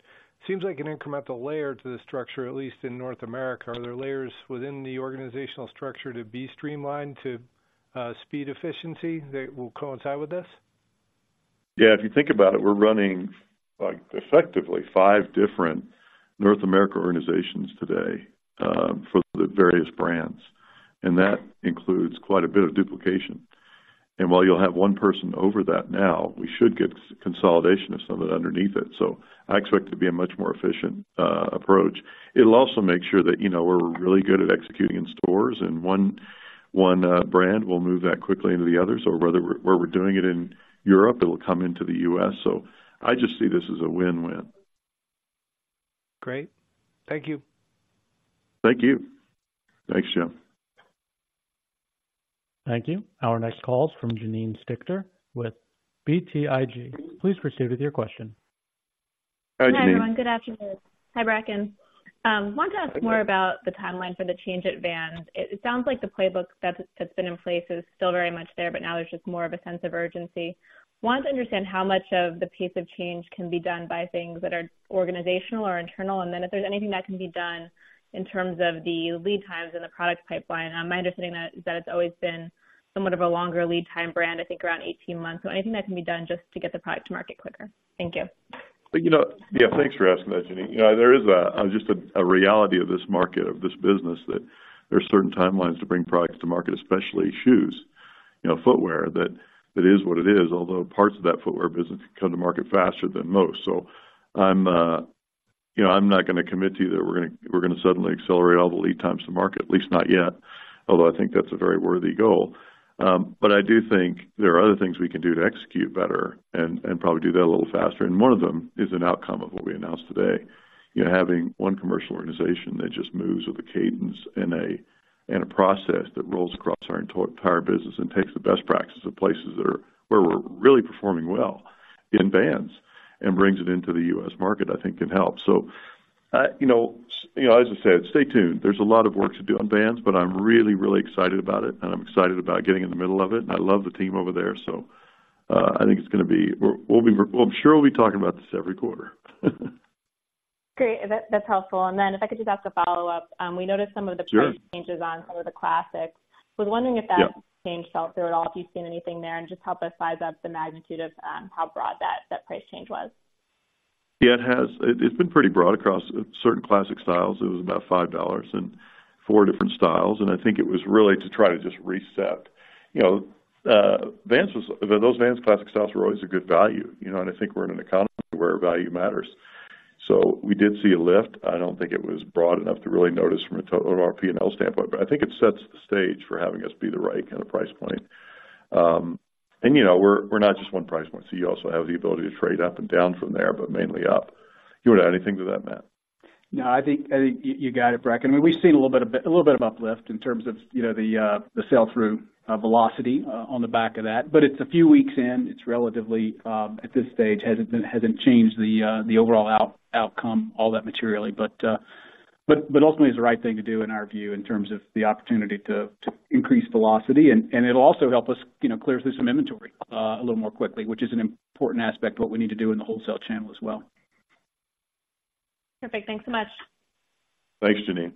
Speaker 10: Seems like an incremental layer to the structure, at least in North America. Are there layers within the organizational structure to be streamlined to speed efficiency that will coincide with this?
Speaker 3: Yeah, if you think about it, we're running, like, effectively five different North America organizations today for the various brands, and that includes quite a bit of duplication. And while you'll have one person over that now, we should get some consolidation of some of it underneath it. So I expect it to be a much more efficient approach. It'll also make sure that, you know, we're really good at executing in stores, and one brand will move that quickly into the others, or where we're doing it in Europe, it'll come into the U.S. So I just see this as a win-win.
Speaker 10: Great. Thank you.
Speaker 3: Thank you. Thanks, Jim.
Speaker 1: Thank you. Our next call is from Janine Stichter with BTIG. Please proceed with your question.
Speaker 3: Hi, Janine.
Speaker 11: Hi, everyone. Good afternoon. Hi, Bracken. Wanted to ask more about the timeline for the change at Vans. It sounds like the playbook that has been in place is still very much there, but now there's just more of a sense of urgency. Wanted to understand how much of the pace of change can be done by things that are organizational or internal, and then if there's anything that can be done in terms of the lead times in the product pipeline. My understanding is that it's always been somewhat of a longer lead time brand, I think around 18 months. So anything that can be done just to get the product to market quicker. Thank you.
Speaker 3: You know... Yeah, thanks for asking that, Janine. Yeah, there is a just a reality of this market, of this business, that there are certain timelines to bring products to market, especially shoes. You know, footwear, that it is what it is, although parts of that footwear business can come to market faster than most. So I'm, you know, I'm not going to commit to you that we're going to suddenly accelerate all the lead times to market, at least not yet, although I think that's a very worthy goal. But I do think there are other things we can do to execute better and probably do that a little faster. And one of them is an outcome of what we announced today. You know, having one commercial organization that just moves with a cadence and a process that rolls across our entire business and takes the best practices of places where we're really performing well in Vans and brings it into the U.S. market, I think can help. So, you know, you know, as I said, stay tuned. There's a lot of work to do on Vans, but I'm really, really excited about it, and I'm excited about getting in the middle of it. And I love the team over there, so, I think it's going to be. We're, we'll be. I'm sure we'll be talking about this every quarter.
Speaker 11: Great. That, that's helpful. And then if I could just ask a follow-up.
Speaker 12: Sure.
Speaker 11: We noticed some of the price changes on some of the classics. Was wondering if that-
Speaker 3: Yeah.
Speaker 11: Change sell-through at all, if you've seen anything there, and just help us size up the magnitude of how broad that price change was.
Speaker 3: Yeah, it has. It, it's been pretty broad across certain classic styles. It was about $5 in four different styles, and I think it was really to try to just reset. You know, Vans was—those Vans classic styles were always a good value, you know, and I think we're in an economy where value matters. So we did see a lift. I don't think it was broad enough to really notice from a total—from our P&L standpoint, but I think it sets the stage for having us be the right kind of price point. And you know, we're, we're not just one price point, so you also have the ability to trade up and down from there, but mainly up. You want to add anything to that, Matt?
Speaker 4: No, I think, I think you got it, Bracken. We've seen a little bit of, a little bit of uplift in terms of, you know, the sell-through velocity on the back of that. But it's a few weeks in. It's relatively... At this stage, hasn't changed the overall outcome all that materially. But ultimately, it's the right thing to do in our view, in terms of the opportunity to increase velocity. And it'll also help us, you know, clear through some inventory a little more quickly, which is an important aspect of what we need to do in the wholesale channel as well. Perfect. Thanks so much.
Speaker 3: Thanks, Janine.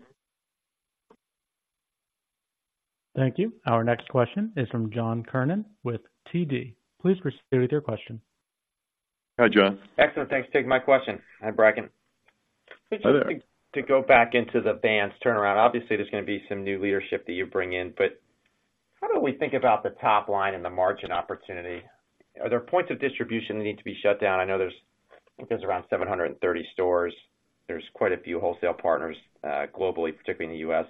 Speaker 1: Thank you. Our next question is from John Kernan with TD. Please proceed with your question.
Speaker 3: Hi, John.
Speaker 13: Excellent. Thanks. Taking my question. Hi, Bracken.
Speaker 3: Hi there.
Speaker 13: To go back into the Vans turnaround. Obviously, there's going to be some new leadership that you bring in, but- ...How do we think about the top line and the margin opportunity? Are there points of distribution that need to be shut down? I know there's, I think there's around 730 stores. There's quite a few wholesale partners, globally, particularly in the U.S.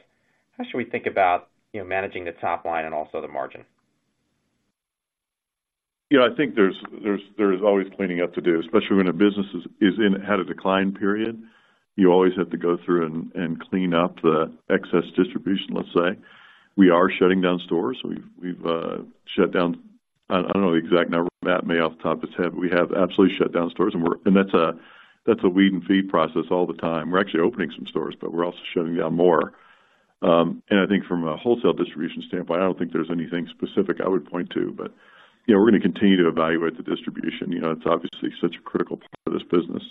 Speaker 13: How should we think about, you know, managing the top line and also the margin?
Speaker 3: Yeah, I think there's always cleaning up to do, especially when a business is in at a decline period. You always have to go through and clean up the excess distribution, let's say. We are shutting down stores. We've shut down, I don't know the exact number, Matt may off the top of his head, but we have absolutely shut down stores, and we're and that's a weed and feed process all the time. We're actually opening some stores, but we're also shutting down more. And I think from a wholesale distribution standpoint, I don't think there's anything specific I would point to, but, you know, we're going to continue to evaluate the distribution. You know, it's obviously such a critical part of this business.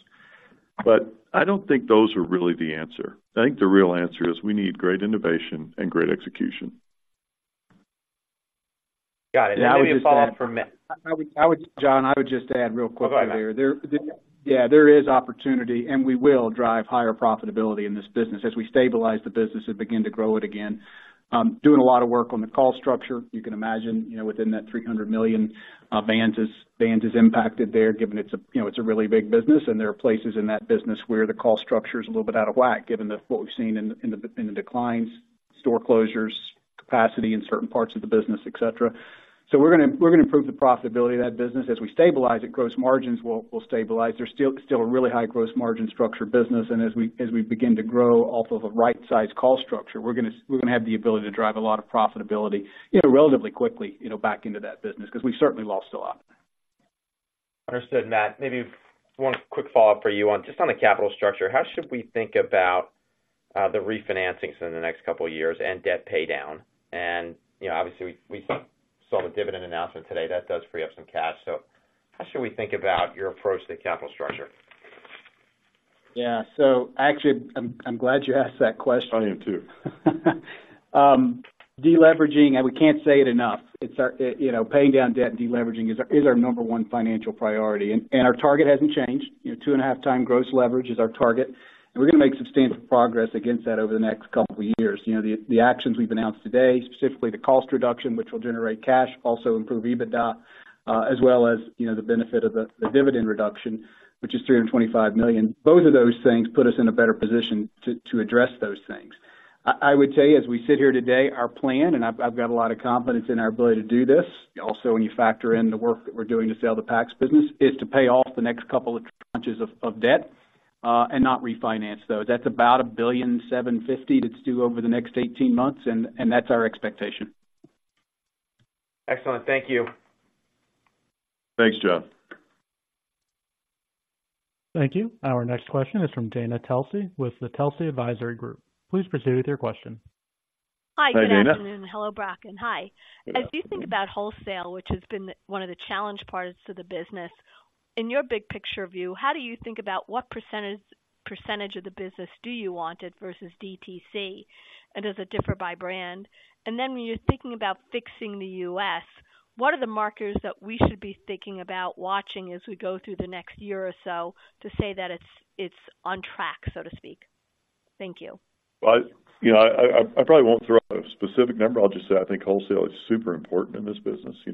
Speaker 3: But I don't think those are really the answer. I think the real answer is we need great innovation and great execution.
Speaker 14: Got it.
Speaker 3: Now we just-
Speaker 13: Let me follow up for Matt.
Speaker 4: John, I would just add real quickly there.
Speaker 13: Go ahead, Matt.
Speaker 4: Yeah, there is opportunity, and we will drive higher profitability in this business as we stabilize the business and begin to grow it again. Doing a lot of work on the cost structure. You can imagine, you know, within that $300 million, Vans is impacted there, given it's a, you know, it's a really big business, and there are places in that business where the cost structure is a little bit out of whack, given what we've seen in the declines, store closures, capacity in certain parts of the business, et cetera. So we're going to improve the profitability of that business. As we stabilize it, gross margins will stabilize. There's still a really high gross margin structure business, and as we begin to grow off of a right-sized cost structure, we're going to have the ability to drive a lot of profitability, you know, relatively quickly, you know, back into that business, because we've certainly lost a lot.
Speaker 13: Understood, Matt. Maybe one quick follow-up for you on... Just on the capital structure, how should we think about the refinancings in the next couple of years and debt paydown? And, you know, obviously, we, we saw the dividend announcement today. That does free up some cash. So how should we think about your approach to the capital structure?
Speaker 4: Yeah. So actually, I'm glad you asked that question.
Speaker 13: I am, too.
Speaker 4: Deleveraging, and we can't say it enough, it's our, you know, paying down debt and deleveraging is our, is our number one financial priority, and, and our target hasn't changed. You know, 2.5x gross leverage is our target, and we're going to make substantial progress against that over the next couple of years. You know, the, the actions we've announced today, specifically the cost reduction, which will generate cash, also improve EBITDA, as well as, you know, the benefit of the, the dividend reduction, which is $325 million. Both of those things put us in a better position to, to address those things. I would tell you, as we sit here today, our plan, and I've got a lot of confidence in our ability to do this, also, when you factor in the work that we're doing to sell the [PAX] business, is to pay off the next couple of tranches of debt, and not refinance those. That's about $1.75 billion that's due over the next 18 months, and that's our expectation.
Speaker 13: Excellent. Thank you.
Speaker 3: Thanks, John.
Speaker 1: Thank you. Our next question is from Dana Telsey with the Telsey Advisory Group. Please proceed with your question.
Speaker 3: Hi, Dana.
Speaker 15: Hi, good afternoon. Hello, Bracken. Hi. As you think about wholesale, which has been one of the challenge parts to the business, in your big picture view, how do you think about what percentage, percentage of the business do you want it versus DTC, and does it differ by brand? And then when you're thinking about fixing the U.S., what are the markers that we should be thinking about watching as we go through the next year or so to say that it's, it's on track, so to speak? Thank you.
Speaker 3: Well, you know, I probably won't throw a specific number. I'll just say I think wholesale is super important in this business. You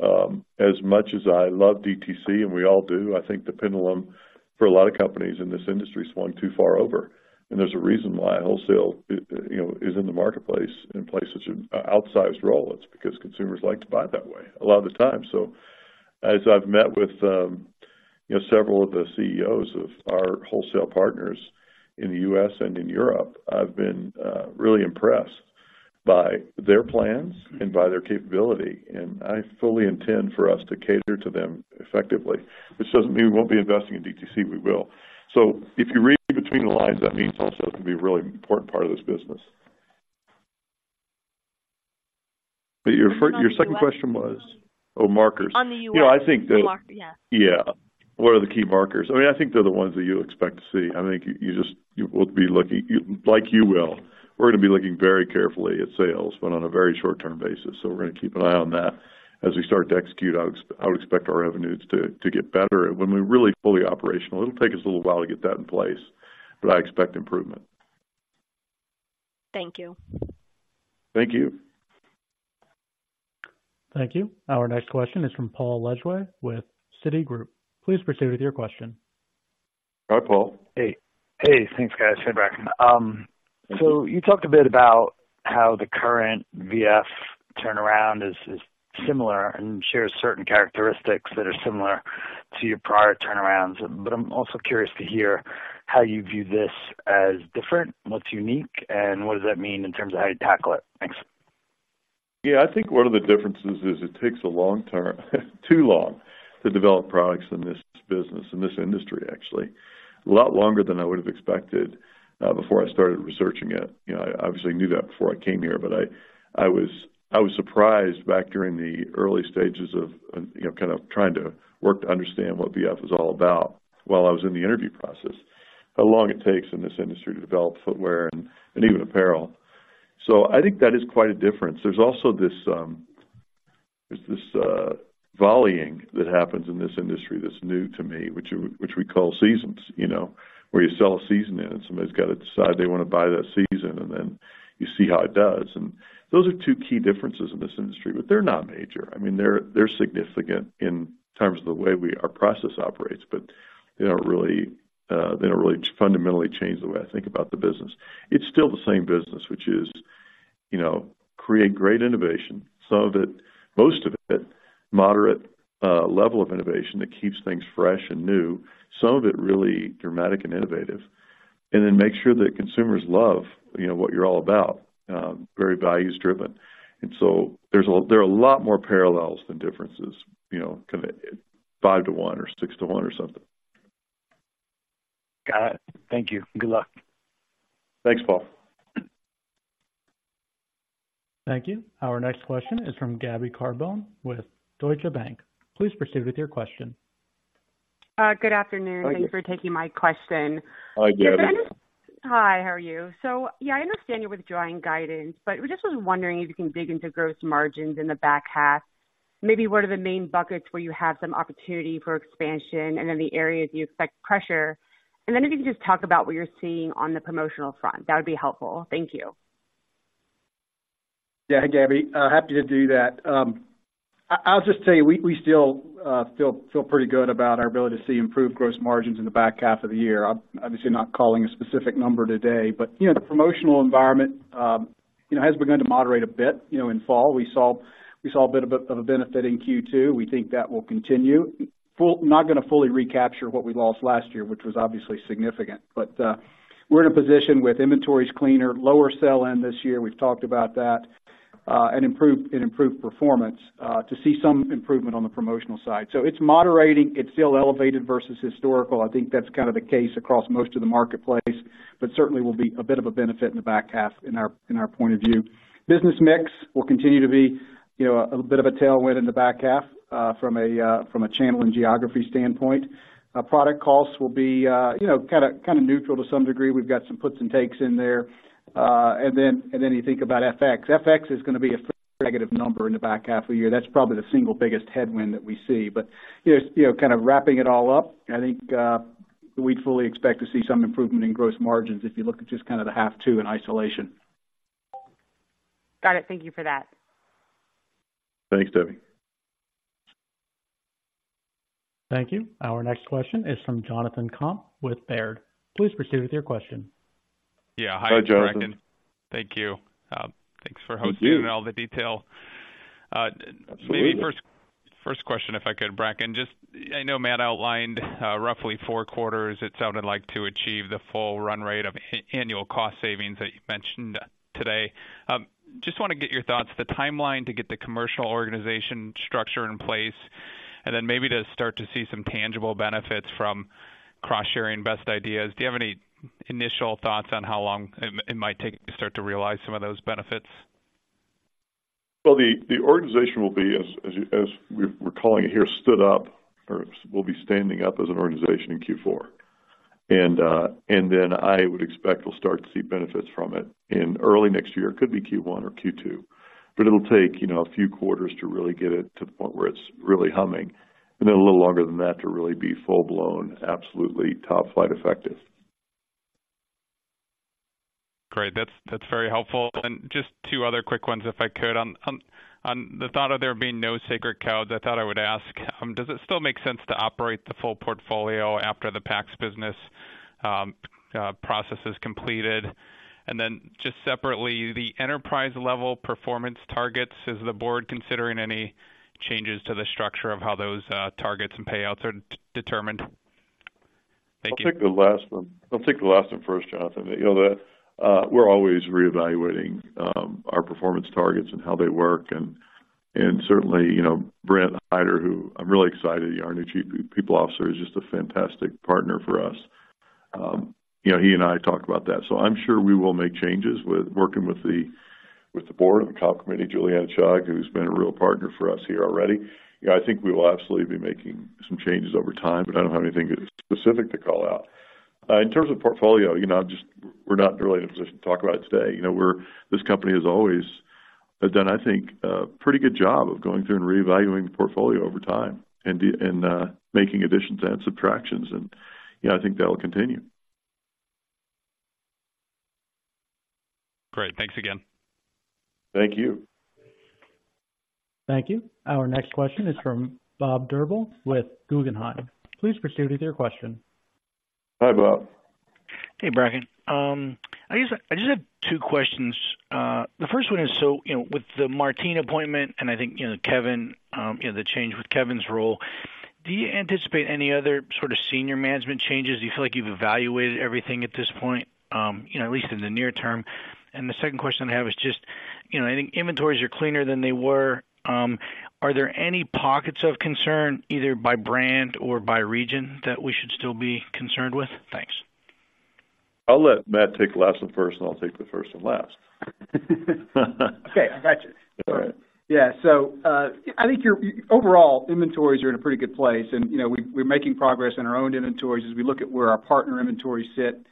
Speaker 3: know, and, as much as I love DTC, and we all do, I think the pendulum for a lot of companies in this industry swung too far over. And there's a reason why wholesale, you know, is in the marketplace, in places, outsized role. It's because consumers like to buy it that way a lot of the time. So as I've met with, you know, several of the CEOs of our wholesale partners in the U.S. and in Europe, I've been, really impressed by their plans and by their capability, and I fully intend for us to cater to them effectively, which doesn't mean we won't be investing in DTC. We will. So if you read between the lines, that means also it's going to be a really important part of this business. But your first-
Speaker 15: On the U.S.
Speaker 3: Your second question was? Oh, markers.
Speaker 15: On the U.S.
Speaker 3: You know, I think that-
Speaker 15: The mark, yeah.
Speaker 3: Yeah. What are the key markers? I mean, I think they're the ones that you expect to see. I think you just will be looking, like we're going to be looking very carefully at sales, but on a very short-term basis. So we're going to keep an eye on that. As we start to execute, I would expect our revenues to get better. When we're really fully operational, it'll take us a little while to get that in place, but I expect improvement.
Speaker 15: Thank you.
Speaker 3: Thank you.
Speaker 1: Thank you. Our next question is from Paul Lejuez with Citigroup. Please proceed with your question.
Speaker 3: Hi, Paul.
Speaker 16: Hey. Hey, thanks, guys. Hey, Bracken. So you talked a bit about how the current VF turnaround is similar and shares certain characteristics that are similar to your prior turnarounds. But I'm also curious to hear how you view this as different, what's unique, and what does that mean in terms of how you tackle it? Thanks.
Speaker 3: Yeah, I think one of the differences is it takes a long term, too long, to develop products in this business, in this industry, actually. A lot longer than I would have expected before I started researching it. You know, I obviously knew that before I came here, but I, I was, I was surprised back during the early stages of, you know, kind of trying to work to understand what VF is all about while I was in the interview process, how long it takes in this industry to develop footwear and, and even apparel. So I think that is quite a difference. There's also this, There's this volleying that happens in this industry that's new to me, which we call seasons, you know, where you sell a season and somebody's got to decide they want to buy that season, and then you see how it does. Those are two key differences in this industry, but they're not major. I mean, they're significant in terms of the way we— our process operates, but they don't really, they don't really fundamentally change the way I think about the business. It's still the same business, which is, you know, create great innovation, some of it, most of it, moderate level of innovation that keeps things fresh and new, some of it really dramatic and innovative, and then make sure that consumers love, you know, what you're all about, very values driven. So there are a lot more parallels than differences, you know, kind of [five to one] or [six to one] or something.
Speaker 16: Got it. Thank you. Good luck.
Speaker 3: Thanks, Paul.
Speaker 1: Thank you. Our next question is from Gaby Carbone with Deutsche Bank. Please proceed with your question.
Speaker 17: Good afternoon.
Speaker 3: Hi.
Speaker 17: Thank you for taking my question.
Speaker 3: Hi, Gaby.
Speaker 18: Hi, how are you? So, yeah, I understand you're withdrawing guidance, but we just was wondering if you can dig into gross margins in the back half. Maybe what are the main buckets where you have some opportunity for expansion and then the areas you expect pressure. And then if you could just talk about what you're seeing on the promotional front, that would be helpful. Thank you.
Speaker 4: Yeah. Hey, Gaby, happy to do that. I'll just tell you, we still feel pretty good about our ability to see improved gross margins in the back half of the year. I'm obviously not calling a specific number today, but, you know, the promotional environment, you know, has begun to moderate a bit, you know, in fall. We saw a bit of a benefit in Q2. We think that will continue. Not going to fully recapture what we lost last year, which was obviously significant, but, we're in a position with inventories cleaner, lower sell-in this year, we've talked about that, and improved performance to see some improvement on the promotional side. So it's moderating. It's still elevated versus historical. I think that's kind of the case across most of the marketplace, but certainly will be a bit of a benefit in the back half in our point of view. Business mix will continue to be, you know, a bit of a tailwind in the back half, from a channel and geography standpoint. Product costs will be, you know, kind of neutral to some degree. We've got some puts and takes in there. And then you think about FX. FX is going to be a negative number in the back half of the year. That's probably the single biggest headwind that we see. But, you know, kind of wrapping it all up, I think we'd fully expect to see some improvement in gross margins if you look at just kind of the half two in isolation.
Speaker 17: Got it. Thank you for that.
Speaker 3: Thanks, Gaby.
Speaker 1: Thank you. Our next question is from Jonathan Komp with Baird. Please proceed with your question.
Speaker 19: Yeah.
Speaker 3: Hi, Jonathan.
Speaker 19: Thank you. Thanks for hosting-
Speaker 3: Thank you.
Speaker 19: -and all the detail. Maybe first, first question, if I could, Bracken, just I know Matt outlined, roughly four quarters. It sounded like to achieve the full run rate of annual cost savings that you mentioned today. Just want to get your thoughts, the timeline to get the commercial organization structure in place and then maybe to start to see some tangible benefits from cross-sharing best ideas. Do you have any initial thoughts on how long it might take to start to realize some of those benefits?
Speaker 3: Well, the organization will be, as you—as we're calling it here, stood up or will be standing up as an organization in Q4. And then I would expect we'll start to see benefits from it in early next year. It could be Q1 or Q2, but it'll take, you know, a few quarters to really get it to the point where it's really humming, and then a little longer than that to really be full-blown, absolutely top-flight effective.
Speaker 19: Great. That's very helpful. And just two other quick ones, if I could. On the thought of there being no sacred cows, I thought I would ask, does it still make sense to operate the full portfolio after the [PAX] business process is completed? And then just separately, the enterprise-level performance targets, is the board considering any changes to the structure of how those targets and payouts are determined? Thank you.
Speaker 3: I'll take the last one. I'll take the last one first, Jonathan. You know, we're always reevaluating our performance targets and how they work, and certainly, you know, Brent Hyder, who I'm really excited, our new Chief People Officer, is just a fantastic partner for us. You know, he and I talk about that, so I'm sure we will make changes with working with the, with the board and the comp committee, Juliana Chugg, who's been a real partner for us here already. You know, I think we will absolutely be making some changes over time, but I don't have anything specific to call out. In terms of portfolio, you know, just we're not really in a position to talk about it today. You know, this company has always done, I think, a pretty good job of going through and reevaluating the portfolio over time and the... And making additions and subtractions, and, you know, I think that will continue.
Speaker 19: Great. Thanks again.
Speaker 3: Thank you.
Speaker 1: Thank you. Our next question is from Bob Drbul with Guggenheim. Please proceed with your question.
Speaker 3: Hi, Bob.
Speaker 12: Hey, Bracken. I just had two questions. The first one is, so, you know, with the Martino appointment and I think, you know, Kevin, you know, the change with Kevin's role, do you anticipate any other sort of senior management changes? Do you feel like you've evaluated everything at this point, you know, at least in the near term? And the second question I have is just, you know, I think inventories are cleaner than they were. Are there any pockets of concern, either by brand or by region, that we should still be concerned with? Thanks.
Speaker 3: I'll let Matt take the last one first, and I'll take the first and last.
Speaker 4: Okay, got you.
Speaker 3: All right.
Speaker 4: Yeah. So, I think overall, inventories are in a pretty good place, and, you know, we're making progress in our own inventories as we look at where our partner inventories sit.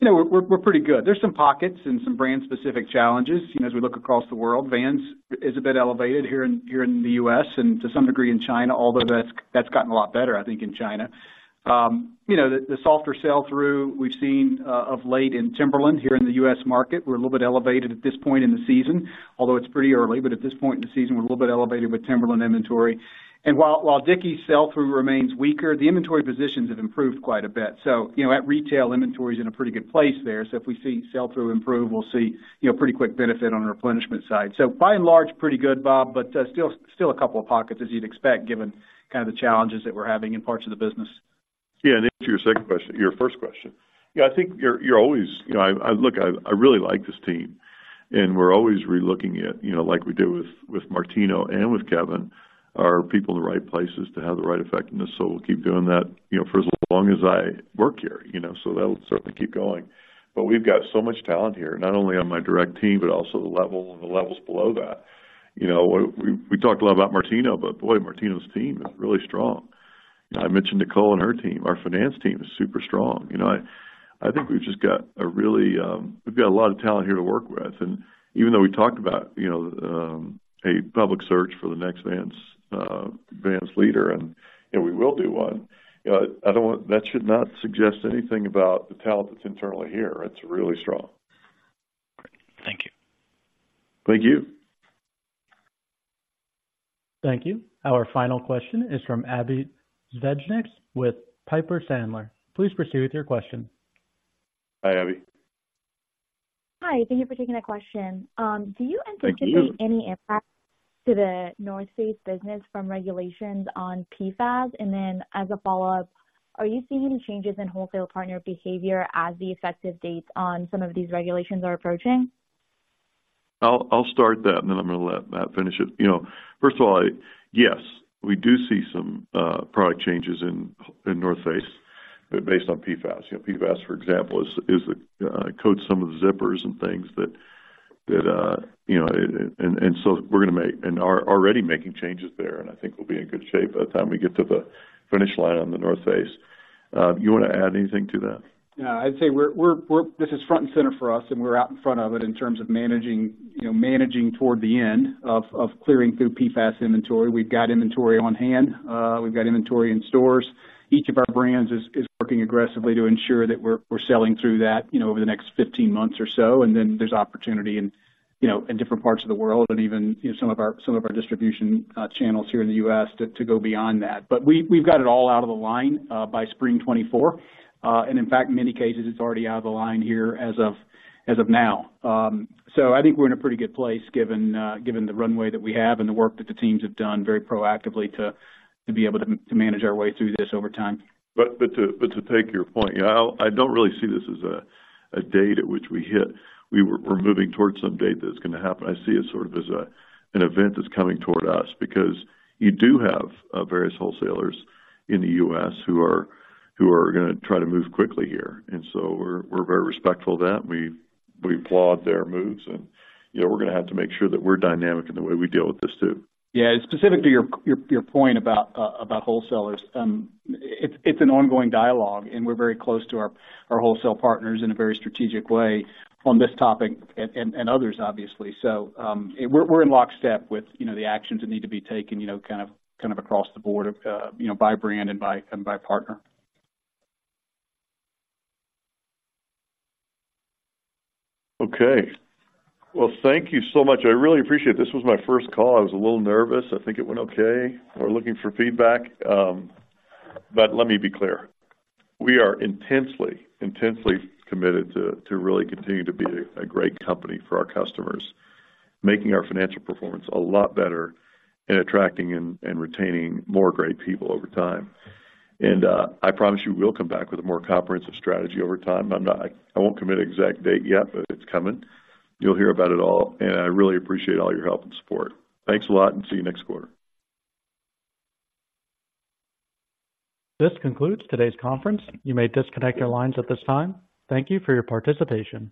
Speaker 4: You know, we're pretty good. There's some pockets and some brand-specific challenges. You know, as we look across the world, Vans is a bit elevated here in the U.S. and to some degree in China, although that's gotten a lot better, I think, in China. You know, the softer sell-through we've seen of late in Timberland here in the U.S. market. We're a little bit elevated at this point in the season, although it's pretty early, but at this point in the season, we're a little bit elevated with Timberland inventory. And while Dickies' sell-through remains weaker, the inventory positions have improved quite a bit. So, you know, at retail, inventory is in a pretty good place there. So if we see sell-through improve, we'll see, you know, pretty quick benefit on the replenishment side. So by and large, pretty good, Bob, but still, still a couple of pockets, as you'd expect, given kind of the challenges that we're having in parts of the business.
Speaker 3: Yeah, and to answer your second question, your first question. Yeah, I think you're always... You know, I look, I really like this team, and we're always relooking at, you know, like we do with Martino and with Kevin, are people in the right places to have the right effectiveness? So we'll keep doing that, you know, for as long as I work here, you know, so that'll certainly keep going. But we've got so much talent here, not only on my direct team, but also the level and the levels below that. You know, we talked a lot about Martino, but boy, Martino's team is really strong. I mentioned Nicole and her team. Our finance team is super strong. You know, I think we've just got a really, We've got a lot of talent here to work with, and even though we talked about, you know, a public search for the next Vans, Vans leader, and, you know, we will do one, you know, I don't want-- that should not suggest anything about the talent that's internally here. It's really strong.
Speaker 20: Thank you.
Speaker 3: Thank you.
Speaker 1: Thank you. Our final question is from Abbie Zvejnieks, with Piper Sandler. Please proceed with your question.
Speaker 3: Hi, Abbie.
Speaker 21: Hi, thank you for taking that question. Do you anticipate-
Speaker 3: Thank you.
Speaker 21: Any impact to The North Face business from regulations on PFAS? And then, as a follow-up, are you seeing any changes in wholesale partner behavior as the effective dates on some of these regulations are approaching?
Speaker 3: I'll start that, and then I'm going to let Matt finish it. You know, first of all, yes, we do see some product changes in North Face based on PFAS. PFAS, for example, is coats some of the zippers and things that you know... And so we're going to make and are already making changes there, and I think we'll be in good shape by the time we get to the finish line on the North Face. You want to add anything to that?
Speaker 4: Yeah. I'd say we're—this is front and center for us, and we're out in front of it in terms of managing, you know, managing toward the end of clearing through PFAS inventory. We've got inventory on hand. We've got inventory in stores. Each of our brands is working aggressively to ensure that we're selling through that, you know, over the next 15 months or so. And then there's opportunity in, you know, in different parts of the world and even in some of our distribution channels here in the U.S. to go beyond that. But we've got it all out of the line by spring 2024. And in fact, in many cases, it's already out of the line here as of now. So I think we're in a pretty good place, given the runway that we have and the work that the teams have done very proactively to be able to manage our way through this over time.
Speaker 3: But to take your point, I don't really see this as a date at which we hit. We're moving towards some date that's going to happen. I see it sort of as an event that's coming toward us because you do have various wholesalers in the U.S. who are going to try to move quickly here, and so we're very respectful of that, and we applaud their moves. And, you know, we're going to have to make sure that we're dynamic in the way we deal with this, too.
Speaker 4: Yeah, specific to your point about wholesalers, it's an ongoing dialogue, and we're very close to our wholesale partners in a very strategic way on this topic and others, obviously. So, we're in lockstep with, you know, the actions that need to be taken, you know, kind of across the board, you know, by brand and by partner.
Speaker 3: Okay. Well, thank you so much. I really appreciate it. This was my first call. I was a little nervous. I think it went okay. We're looking for feedback, but let me be clear: We are intensely, intensely committed to, to really continue to be a great company for our customers, making our financial performance a lot better and attracting and, and retaining more great people over time. And, I promise you, we'll come back with a more comprehensive strategy over time. I'm not. I won't commit an exact date yet, but it's coming. You'll hear about it all, and I really appreciate all your help and support. Thanks a lot, and see you next quarter.
Speaker 1: This concludes today's conference. You may disconnect your lines at this time. Thank you for your participation.